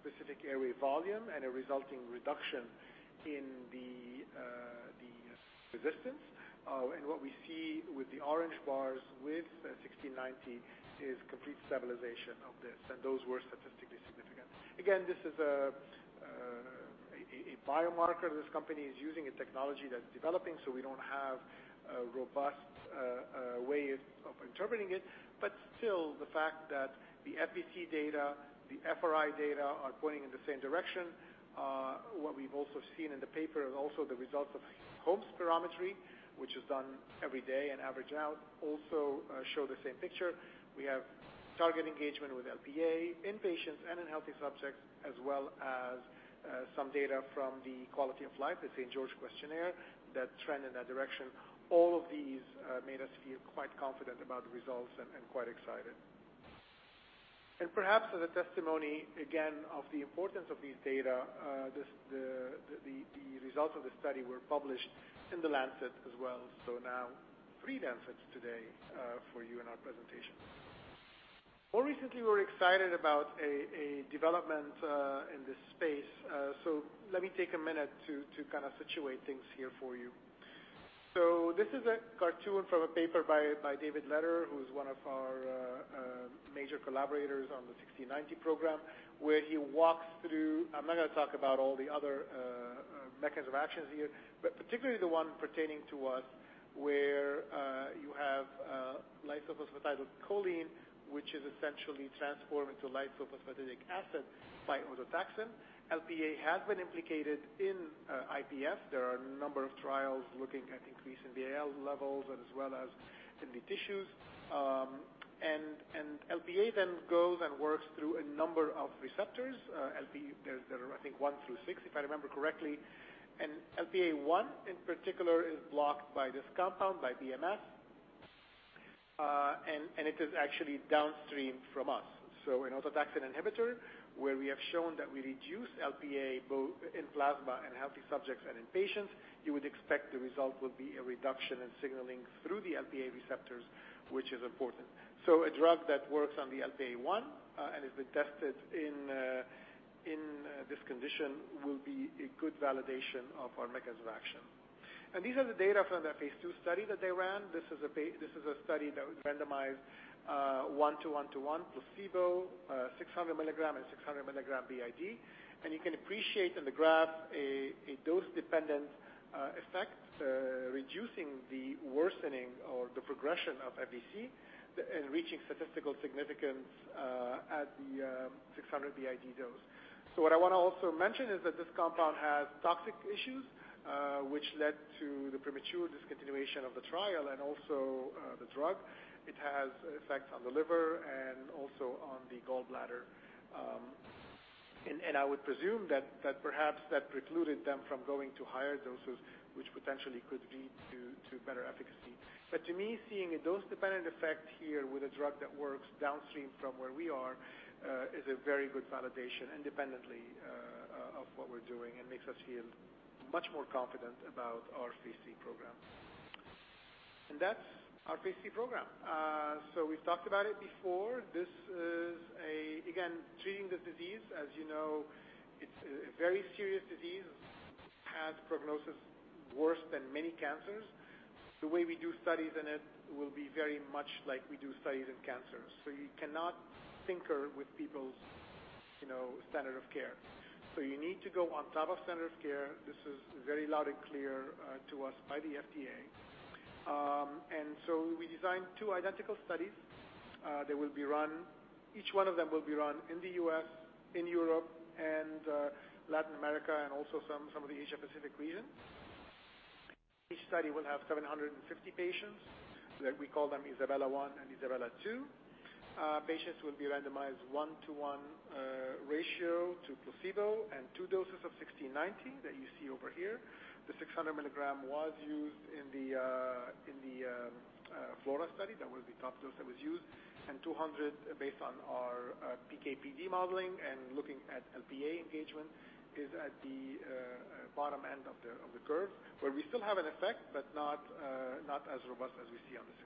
specific airway volume and a resulting reduction in the resistance. What we see with the orange bars with 1690 is complete stabilization of this, and those were statistically significant. Again, this is a biomarker this company is using, a technology that's developing, so we don't have a robust way of interpreting it. Still, the fact that the FVC data, the FRI data, are pointing in the same direction. What we've also seen in the paper is also the results of home spirometry, which is done every day and averaged out, also show the same picture. We have target engagement with LPA in patients and in healthy subjects, as well as some data from the quality of life, the St. George's Respiratory Questionnaire, that trend in that direction. All of these made us feel quite confident about the results and quite excited. Perhaps as a testimony, again, of the importance of these data, the results of the study were published in The Lancet as well. Now three Lancets today for you in our presentation. More recently, we're excited about a development in this space. Let me take a minute to kind of situate things here for you. This is a cartoon from a paper by David Lederer, who's one of our major collaborators on the 1690 program, where he walks through I'm not going to talk about all the other mechanisms of actions here, but particularly the one pertaining to us where you have lysophosphatidylcholine, which is essentially transformed into lysophosphatidic acid by autotaxin. LPA has been implicated in IPF. There are a number of trials looking at increase in BAL levels as well as in the tissues. LPA then goes and works through a number of receptors. There are, I think, one through six, if I remember correctly. LPA-1 in particular is blocked by this compound, by BMS. It is actually downstream from us. An autotaxin inhibitor, where we have shown that we reduce LPA both in plasma in healthy subjects and in patients, you would expect the result would be a reduction in signaling through the LPA receptors, which is important. A drug that works on the LPA-1 and has been tested in this condition will be a good validation of our mechanism of action. These are the data from that phase II study that they ran. This is a study that randomized 1 to 1 to 1 placebo, 600 mg and 600 mg BID. You can appreciate in the graph a dose-dependent effect, reducing the worsening or the progression of FVC and reaching statistical significance at the 600 mg BID dose. What I want to also mention is that this compound has toxic issues, which led to the premature discontinuation of the trial and also the drug. It has effects on the liver and also on the gallbladder. I would presume that perhaps that precluded them from going to higher doses, which potentially could lead to better efficacy. To me, seeing a dose-dependent effect here with a drug that works downstream from where we are is a very good validation independently of what we're doing and makes us feel much more confident about our IPF program. That's our IPF program. We've talked about it before. This is, again, treating the disease. As you know, it's a very serious disease, has prognosis worse than many cancers. The way we do studies in it will be very much like we do studies in cancers. You cannot tinker with people's standard of care. You need to go on top of standard of care. This is very loud and clear to us by the FDA. We designed two identical studies. Each one of them will be run in the U.S., in Europe and Latin America, and also some of the Asia Pacific regions. Each study will have 750 patients. We call them ISABELA 1 and ISABELA 2. Patients will be randomized one to one ratio to placebo and two doses of 1690 that you see over here. The 600 milligram was used in the FLORA study. That was the top dose that was used. 200 based on our PK/PD modeling and looking at Lp(a) engagement is at the bottom end of the curve, where we still have an effect, but not as robust as we see on the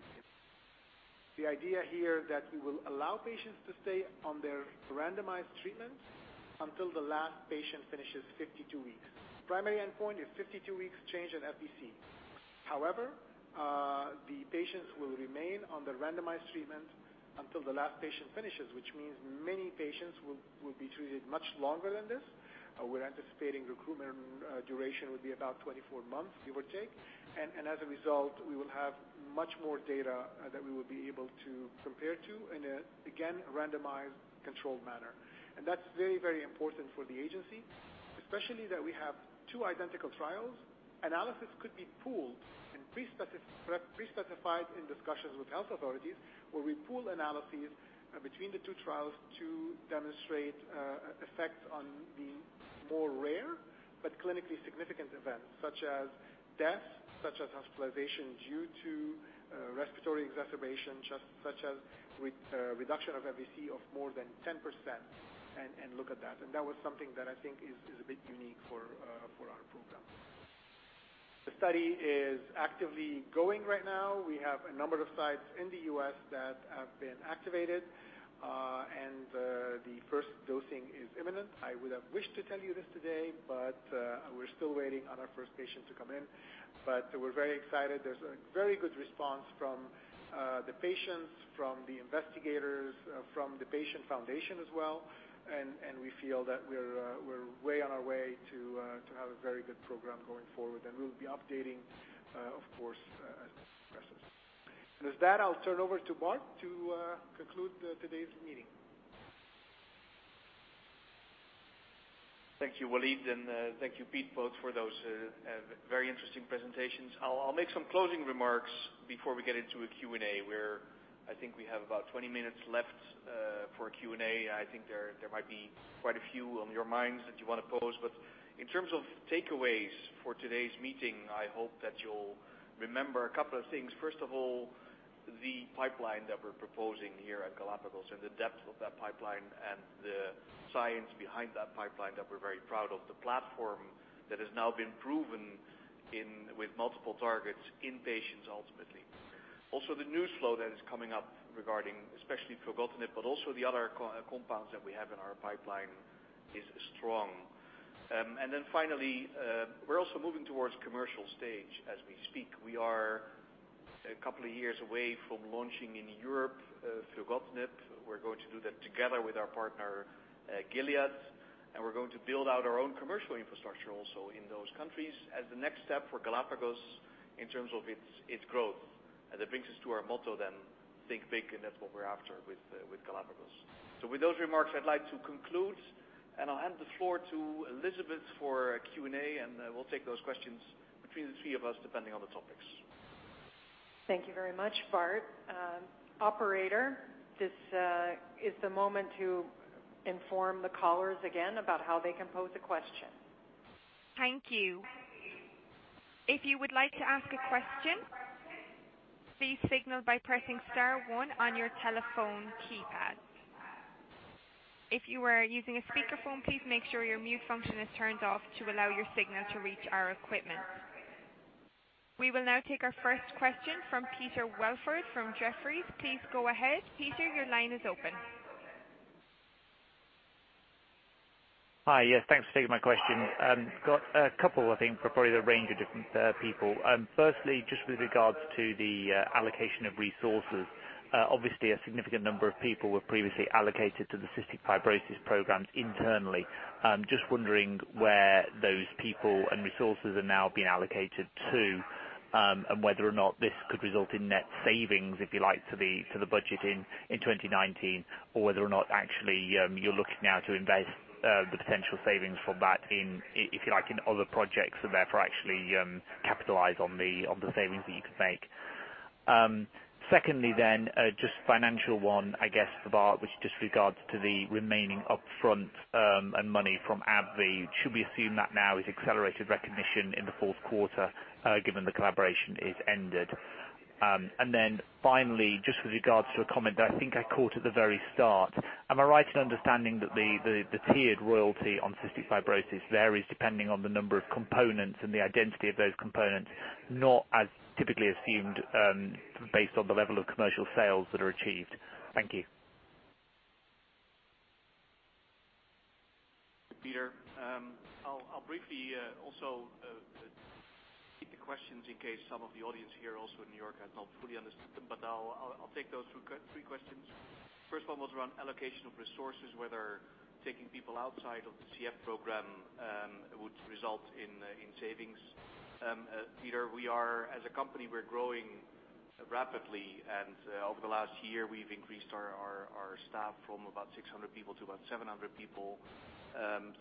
1690. The idea here that we will allow patients to stay on their randomized treatment until the last patient finishes 52 weeks. Primary endpoint is 52 weeks change in FVC. However, the patients will remain on the randomized treatment until the last patient finishes, which means many patients will be treated much longer than this. We're anticipating recruitment duration would be about 24 months, give or take. As a result, we will have much more data that we will be able to compare to in a, again, randomized controlled manner. That's very, very important for the agency, especially that we have two identical trials. Analysis could be pooled and pre-specified in discussions with health authorities, where we pool analyses between the two trials to demonstrate effects on the more rare but clinically significant events, such as death, such as hospitalization due to respiratory exacerbation, such as reduction of FVC of more than 10%, and look at that. That was something that I think is a bit unique for our program. The study is actively going right now. We have a number of sites in the U.S. that have been activated, the first dosing is imminent. I would have wished to tell you this today, but we're still waiting on our first patient to come in. We're very excited. There's a very good response from the patients, from the investigators, from the patient foundation as well. We feel that we're way on our way to have a very good program going forward. We'll be updating, of course, at pressers. With that, I'll turn over to Bart to conclude today's meeting. Thank you, Walid, and thank you, Piet, both for those very interesting presentations. I'll make some closing remarks before we get into a Q&A, where I think we have about 20 minutes left for Q&A. I think there might be quite a few on your minds that you want to pose. In terms of takeaways for today's meeting, I hope that you'll remember a couple of things. First of all, the pipeline that we're proposing here at Galapagos and the depth of that pipeline and the science behind that pipeline that we're very proud of. The platform that has now been proven with multiple targets in patients, ultimately. Also, the news flow that is coming up regarding, especially filgotinib, but also the other compounds that we have in our pipeline, is strong. Finally, we're also moving towards commercial stage as we speak. We are a couple of years away from launching in Europe, filgotinib. We're going to do that together with our partner, Gilead, and we're going to build out our own commercial infrastructure also in those countries as the next step for Galapagos in terms of its growth. That brings us to our motto, think big, and that's what we're after with Galapagos. With those remarks, I'd like to conclude, and I'll hand the floor to Elizabeth for Q&A, and we'll take those questions between the three of us, depending on the topics. Thank you very much, Bart. Operator, this is the moment to inform the callers again about how they can pose a question. Thank you. If you would like to ask a question, please signal by pressing star one on your telephone keypad. If you are using a speakerphone, please make sure your mute function is turned off to allow your signal to reach our equipment. We will now take our first question from Peter Welford from Jefferies. Please go ahead, Peter, your line is open. Hi. Yes, thanks for taking my question. Got a couple, I think, for probably the range of different people. Firstly, just with regards to the allocation of resources. Obviously, a significant number of people were previously allocated to the cystic fibrosis programs internally. Just wondering where those people and resources are now being allocated to. Whether or not this could result in net savings, if you like, to the budget in 2019, or whether or not actually you're looking now to invest the potential savings from that in, if you like, in other projects and therefore actually capitalize on the savings that you could make. Just financial one, I guess, for Bart, which just regards to the remaining upfront and money from AbbVie. Should we assume that now is accelerated recognition in the fourth quarter given the collaboration is ended? Finally, just with regards to a comment that I think I caught at the very start. Am I right in understanding that the tiered royalty on cystic fibrosis varies depending on the number of components and the identity of those components, not as typically assumed, based on the level of commercial sales that are achieved? Thank you. Peter, I'll briefly also repeat the questions in case some of the audience here also in New York has not fully understood them, I'll take those three questions. First one was around allocation of resources, whether taking people outside of the CF program would result in savings. As a company, we're growing rapidly, and over the last year, we've increased our staff from about 600 people to about 700 people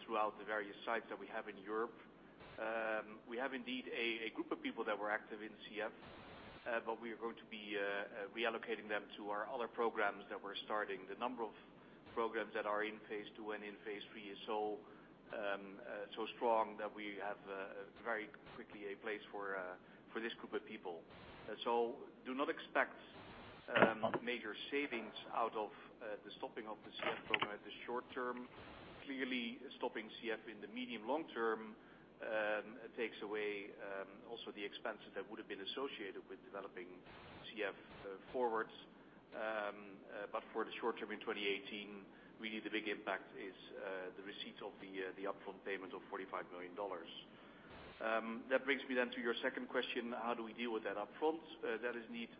throughout the various sites that we have in Europe. We have indeed a group of people that were active in CF, we are going to be reallocating them to our other programs that we're starting. The number of programs that are in phase II and in phase III is so strong that we have very quickly a place for this group of people. Do not expect major savings out of the stopping of the CF program at the short term. Clearly, stopping CF in the medium long term takes away also the expenses that would have been associated with developing CF forwards. For the short term in 2018, really the big impact is the receipt of the upfront payment of $45 million. That brings me to your second question, how do we deal with that upfront? That is indeed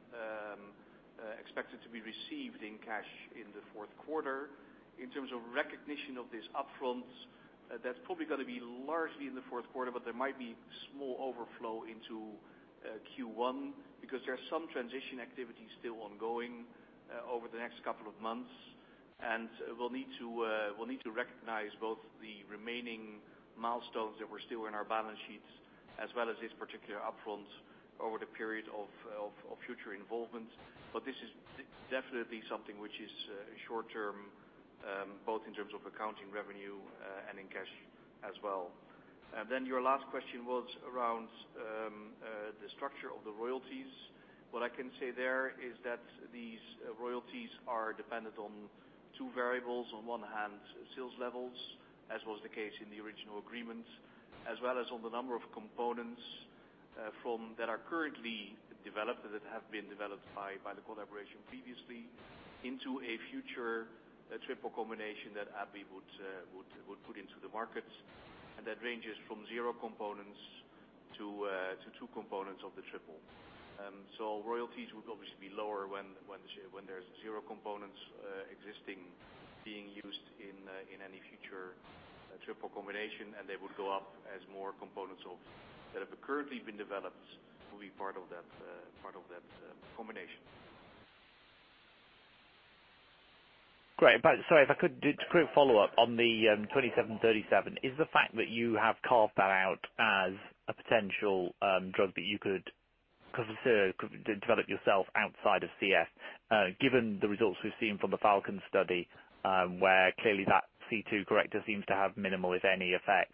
expected to be received in cash in the fourth quarter. In terms of recognition of this upfront, That's probably going to be largely in the fourth quarter, there might be small overflow into Q1 because there's some transition activity still ongoing over the next couple of months, We'll need to recognize both the remaining milestones that were still in our balance sheets, as well as this particular upfront over the period of future involvement. This is definitely something which is short term, both in terms of accounting revenue and in cash as well. Your last question was around the structure of the royalties. What I can say there is that these royalties are dependent on two variables. On one hand, sales levels, as was the case in the original agreement, as well as on the number of components that are currently developed or that have been developed by the collaboration previously into a future triple combination that AbbVie would put into the market. That ranges from zero components to two components of the triple. Royalties would obviously be lower when there's zero components existing, being used in any future triple combination and they would go up as more components that have currently been developed will be part of that combination. Great. Sorry, if I could, just a quick follow-up on the GLPG2737. Is the fact that you have carved that out as a potential drug that you could develop yourself outside of CF, given the results we've seen from the FALCON study, where clearly that CFTR corrector seems to have minimal, if any, effect.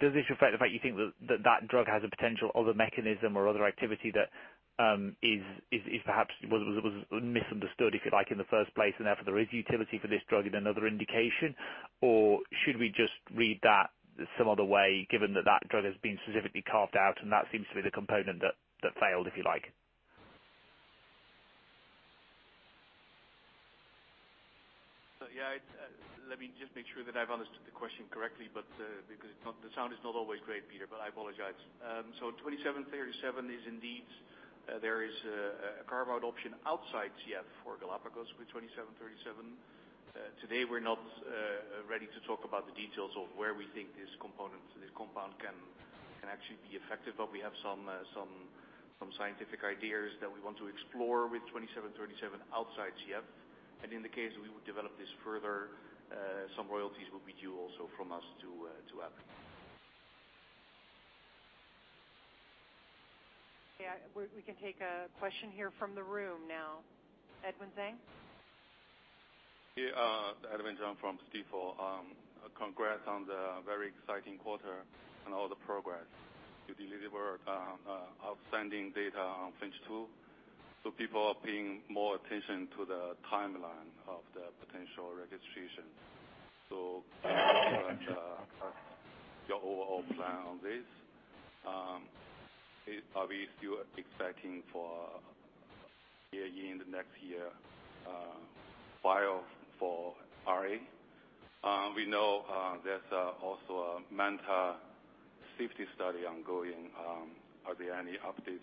Does this reflect the fact you think that drug has a potential other mechanism or other activity that perhaps was misunderstood, if you like, in the first place, and therefore there is utility for this drug in another indication? Should we just read that some other way, given that drug has been specifically carved out and that seems to be the component that failed, if you like? Yeah. Let me just make sure that I've understood the question correctly, because the sound is not always great, Peter, but I apologize. GLPG2737 is indeed, there is a carve-out option outside CF for Galapagos with GLPG2737. Today, we're not ready to talk about the details of where we think this compound can actually be effective. We have some scientific ideas that we want to explore with GLPG2737 outside CF. In the case we would develop this further, some royalties will be due also from us to AbbVie. Yeah, we can take a question here from the room now. Stephen Zhang? Stephen Zhang from Stifel. Congrats on the very exciting quarter and all the progress. You delivered outstanding data on FINCH 2, people are paying more attention to the timeline of the potential registration. Your overall plan on this, are we still expecting for year-end next year, file for RA? We know there's also a MANTA safety study ongoing. Are there any updates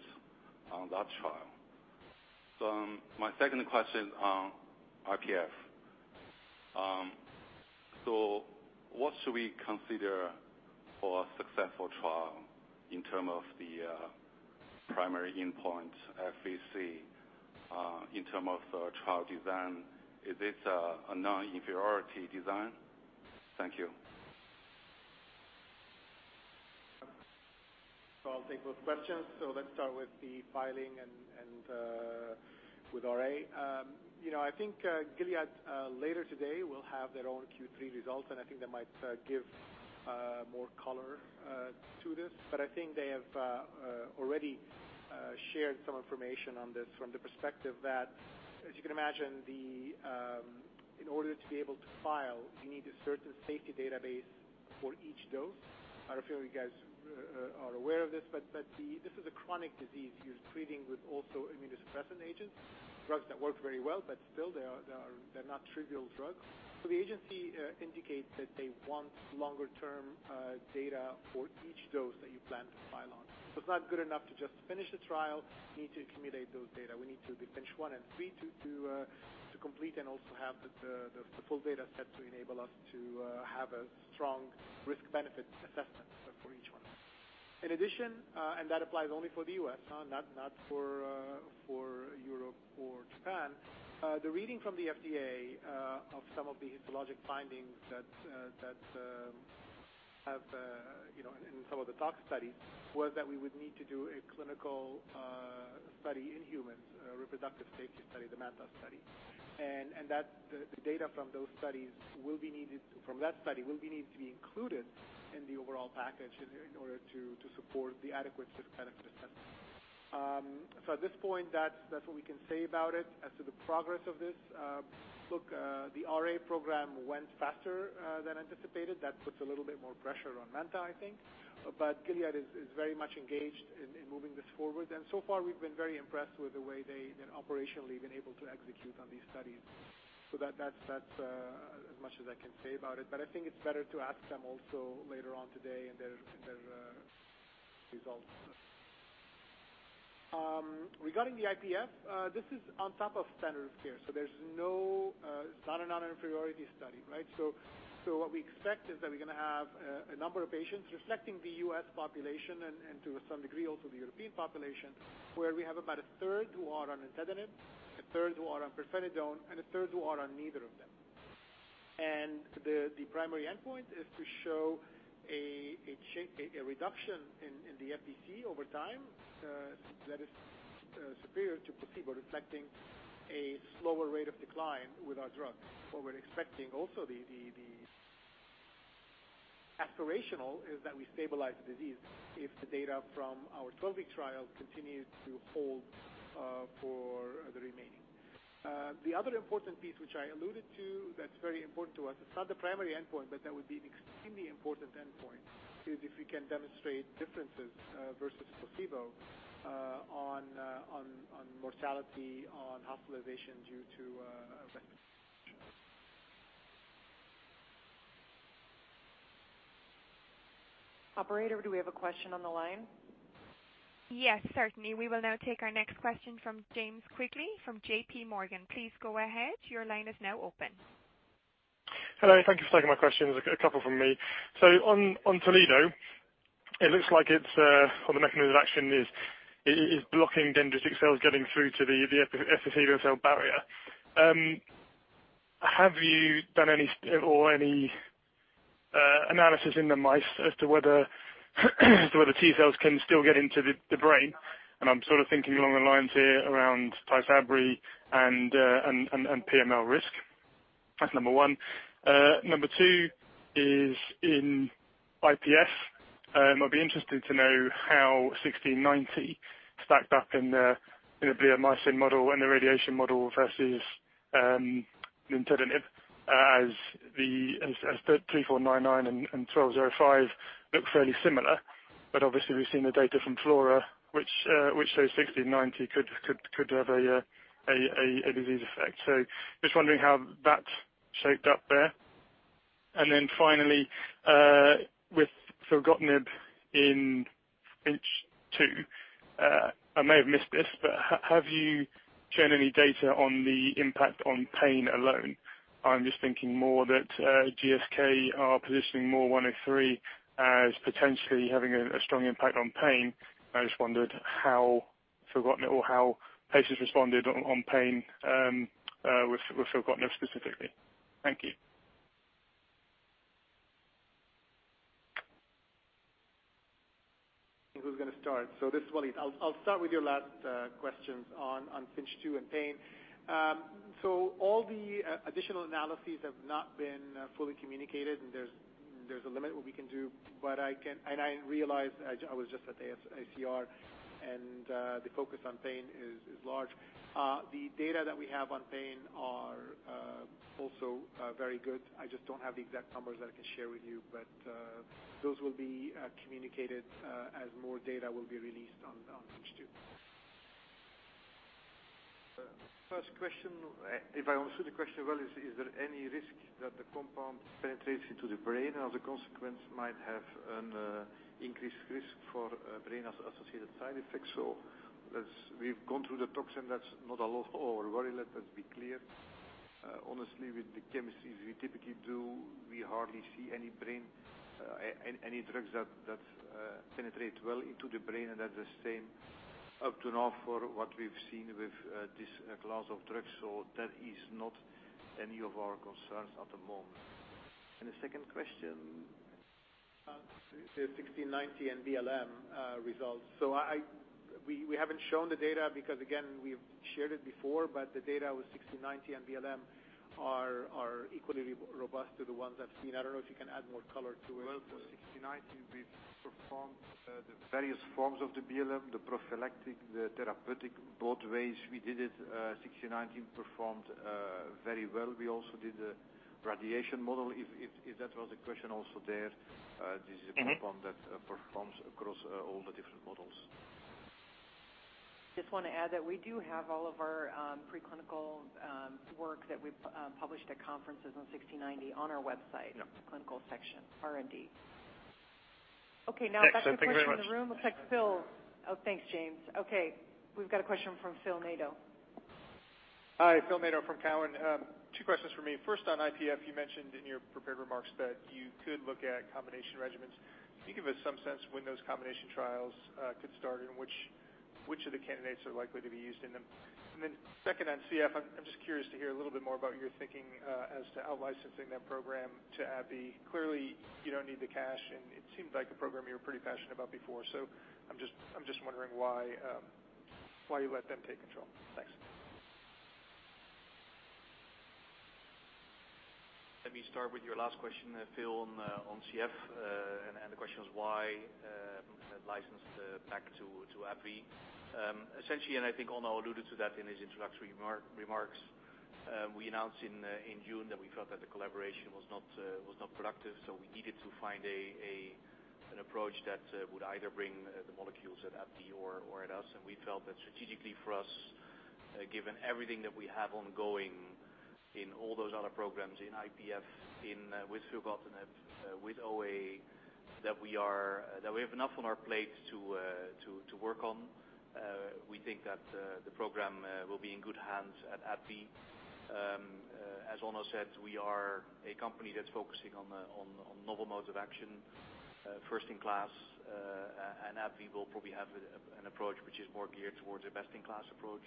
on that trial? My second question on IPF. What should we consider for a successful trial in terms of the primary endpoint FVC, in terms of trial design, is this a non-inferiority design? Thank you. I'll take both questions. Let's start with the filing and with RA. I think Gilead later today will have their own Q3 results, I think that might give more color to this. I think they have already shared some information on this from the perspective that, as you can imagine, in order to be able to file, you need a certain safety database for each dose. I don't know if you guys are aware of this, but this is a chronic disease you're treating with also immunosuppressant agents, drugs that work very well, but still they're not trivial drugs. The agency indicates that they want longer-term data for each dose that you plan to file on. It's not good enough to just finish the trial. You need to accumulate those data. We need to do FINCH 1 and 3 to complete and also have the full data set to enable us to have a strong risk-benefit assessment for each one. In addition, that applies only for the U.S., not for Europe or Japan. The reading from the FDA of some of the histologic findings that have in some of the toxic studies, was that we would need to do a clinical study in humans, a reproductive safety study, the MANTA study. The data from that study will be needed to be included in the overall package in order to support the adequate risk-benefit assessment. At this point, that's what we can say about it. As to the progress of this, look, the RA program went faster than anticipated. That puts a little bit more pressure on MANTA, I think. Gilead is very much engaged in moving this forward. We've been very impressed with the way they operationally have been able to execute on these studies. That's as much as I can say about it, but I think it's better to ask them also later on today in their results. Regarding the IPF, this is on top of standard of care. It's not a non-inferiority study, right? What we expect is that we're going to have a number of patients reflecting the U.S. population and to some degree, also the European population, where we have about a third who are on nintedanib, a third who are on pirfenidone, and a third who are on neither of them. The primary endpoint is to show a reduction in the FVC over time that is superior to placebo, reflecting a slower rate of decline with our drugs. What we're expecting also, the aspirational, is that we stabilize the disease if the data from our 12-week trial continues to hold for the remaining. The other important piece, which I alluded to, that's very important to us, it's not the primary endpoint, but that would be an extremely important endpoint, is if we can demonstrate differences versus placebo on mortality, on hospitalization due to respiratory issues. Operator, do we have a question on the line? Yes, certainly. We will now take our next question from James Quigley from JP Morgan. Please go ahead. Your line is now open. Hello. Thank you for taking my questions. I've got a couple from me. On Toledo, it looks like it's on the mechanism of action is blocking dendritic cells getting through to the endothelial cell barrier. Have you done any analysis in the mice as to whether T-cells can still get into the brain? I'm thinking along the lines here around TYSABRI and PML risk. That's number one. Number two is in IPF. I'd be interested to know how GLPG1690 stacked up in the bleomycin model and the radiation model versus nintedanib as the 3499 and GLPG1205 look fairly similar. Obviously we've seen the data from FLORA, which shows GLPG1690 could have a disease effect. Just wondering how that shaped up there. Then finally, with filgotinib in FINCH 2. I may have missed this, have you shown any data on the impact on pain alone? I'm just thinking more that GSK are positioning MOR103 as potentially having a strong impact on pain. I just wondered how filgotinib or how patients responded on pain with filgotinib specifically. Thank you. Who's going to start? This is Walid. I'll start with your last questions on FINCH 2 and pain. All the additional analyses have not been fully communicated, there's a limit what we can do. I realize I was just at the ACR and the focus on pain is large. The data that we have on pain are also very good. I just don't have the exact numbers that I can share with you, those will be communicated as more data will be released on FINCH 2. First question, if I understood the question well, is there any risk that the compound penetrates into the brain and as a consequence, might have an increased risk for brain associated side effects? We've gone through the toxin. That's not at all our worry, let us be clear. Honestly, with the chemistries we typically do, we hardly see any drugs that penetrate well into the brain, that's the same up to now for what we've seen with this class of drugs. That is not any of our concerns at the moment. The second question? GLPG1690 and BLM results. We haven't shown the data because, again, we've shared it before, the data with GLPG1690 and BLM are equally robust to the ones I've seen. I don't know if you can add more color to it. Well, for GLPG1690, we've performed the various forms of the BLM, the prophylactic, the therapeutic, both ways we did it. GLPG1690 performed very well. We also did the radiation model. If that was a question also there, this is a compound that performs across all the different models. Just want to add that we do have all of our preclinical work that we've published at conferences on GLPG1690 on our website. Yeah. Clinical section, R&D. Okay, now back to a question from the room. Looks like Phil. Oh, thanks, James. Okay, we've got a question from Philip Nadeau. Hi. Phil Nadeau from Cowen. Two questions from me. First, on IPF, you mentioned in your prepared remarks that you could look at combination regimens. Can you give us some sense of when those combination trials could start and which of the candidates are likely to be used in them? Second, on CF, I'm just curious to hear a little bit more about your thinking as to out licensing that program to AbbVie. Clearly, you don't need the cash, and it seems like a program you were pretty passionate about before. I'm just wondering why you let them take control. Thanks. Let me start with your last question, Phil, on CF. The question is why license the back to AbbVie. Essentially, I think Onno alluded to that in his introductory remarks. We announced in June that we felt that the collaboration was not productive, we needed to find an approach that would either bring the molecules at AbbVie or at us. We felt that strategically for us, given everything that we have ongoing in all those other programs in IPF with filgotinib, with OA, that we have enough on our plate to work on. We think that the program will be in good hands at AbbVie. As Onno said, we are a company that's focusing on novel modes of action, first in class, AbbVie will probably have an approach which is more geared towards a best-in-class approach.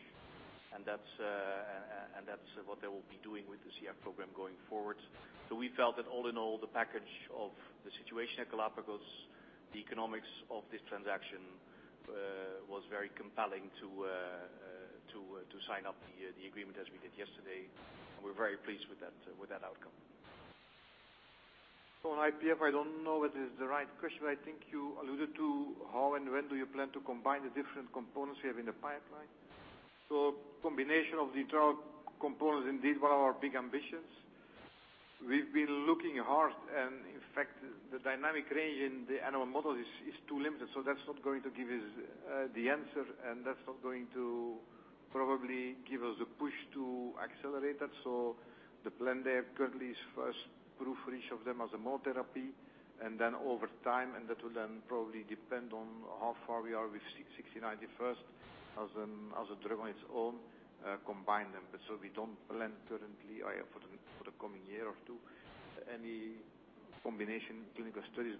That's what they will be doing with the CF program going forward. We felt that all in all, the package of the situation at Galapagos, the economics of this transaction was very compelling to sign up the agreement as we did yesterday. We're very pleased with that outcome. On IPF, I don't know if this is the right question, I think you alluded to how and when do you plan to combine the different components you have in the pipeline. Combination of the trial components indeed were our big ambitions. We've been looking hard, in fact, the dynamic range in the animal model is too limited. That's not going to give us the answer, that's not going to probably give us a push to accelerate that. The plan there currently is first proof for each of them as a monotherapy, over time, that will probably depend on how far we are with GLPG1690 first as a drug on its own, combine them. We don't plan currently for the coming year or two, any combination clinical studies.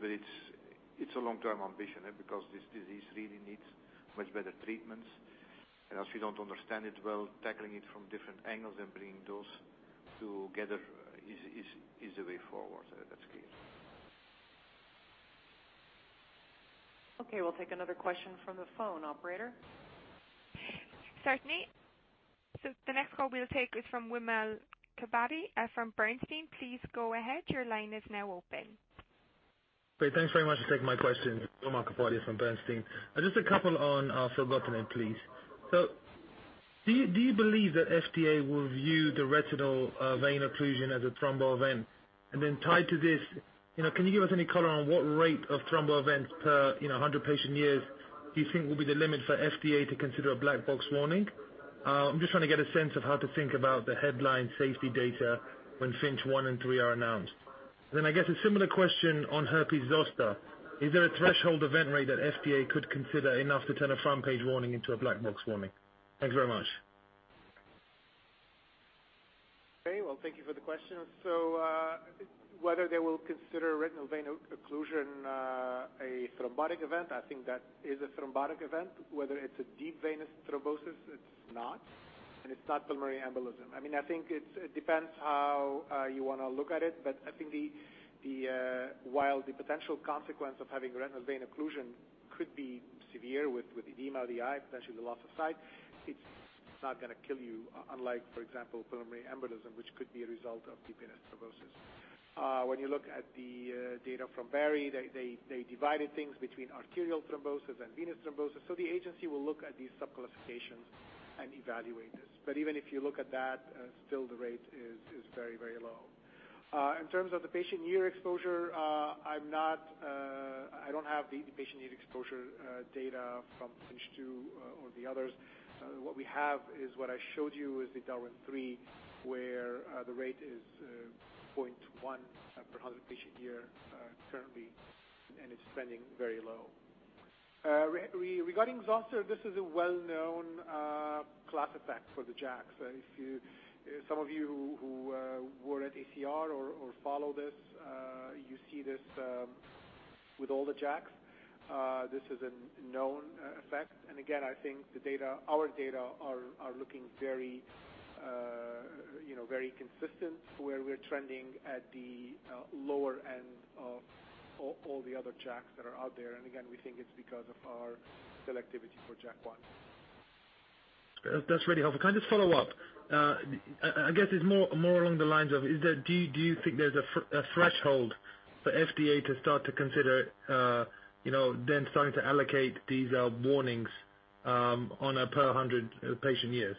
It's a long-term ambition, because this disease really needs much better treatments. As we don't understand it well, tackling it from different angles and bringing those together is the way forward. That's clear. Okay. We'll take another question from the phone. Operator? Certainly. The next call we'll take is from Wimal Kapadia from Bernstein. Please go ahead. Your line is now open. Great. Thanks very much for taking my question. Wimal Kapadia from Bernstein. Just a couple on filgotinib, please. Do you believe that FDA will view the retinal vein occlusion as a thrombo event? Tied to this, can you give us any color on what rate of thrombo events per 100 patient years do you think will be the limit for FDA to consider a black box warning? I'm just trying to get a sense of how to think about the headline safety data when FINCH 1 and 3 are announced. I guess a similar question on herpes zoster. Is there a threshold event rate that FDA could consider enough to turn a front page warning into a black box warning? Thank you very much. Well, thank you for the question. Whether they will consider retinal vein occlusion a thrombotic event, I think that is a thrombotic event. Whether it's a deep venous thrombosis, it's not, and it's not pulmonary embolism. I think it depends how you want to look at it. I think while the potential consequence of having retinal vein occlusion could be severe with edema of the eye, potentially the loss of sight, it's not going to kill you. Unlike, for example, pulmonary embolism, which could be a result of deep vein thrombosis. When you look at the data from baricitinib, they divided things between arterial thrombosis and venous thrombosis. The agency will look at these sub-classifications and evaluate this. Even if you look at that, still the rate is very low. In terms of the patient year exposure, I don't have the patient year exposure data from FINCH 2 or the others. What we have is what I showed you is the DARWIN 3, where the rate is 0.1 per 100 patient year currently, and it's trending very low. Regarding zoster, this is a well-known class effect for the JAKs. Some of you who were at ACR or follow this, you see this with all the JAKs. This is a known effect. Again, I think our data are looking very consistent where we're trending at the lower end of all the other JAKs that are out there. Again, we think it's because of our selectivity for JAK1. That's really helpful. Can I just follow up? I guess it's more along the lines of, do you think there's a threshold for FDA to start to consider then starting to allocate these warnings on a per 100 patient years?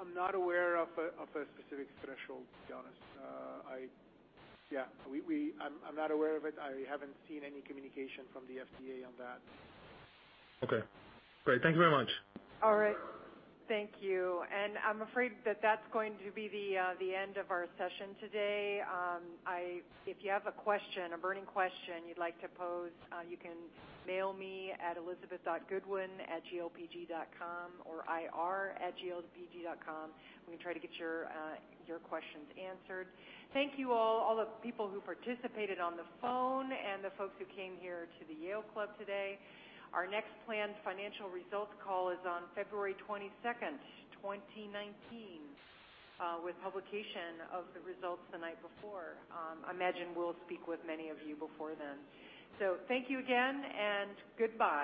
I'm not aware of a specific threshold, to be honest. I'm not aware of it. I haven't seen any communication from the FDA on that. Okay, great. Thank you very much. All right. Thank you. I'm afraid that that's going to be the end of our session today. If you have a question, a burning question you'd like to pose, you can mail me at elizabeth.goodwin@glpg.com or ir@glpg.com. We can try to get your questions answered. Thank you all the people who participated on the phone and the folks who came here to the Yale Club today. Our next planned financial results call is on February 22nd, 2019, with publication of the results the night before. I imagine we'll speak with many of you before then. Thank you again, and goodbye.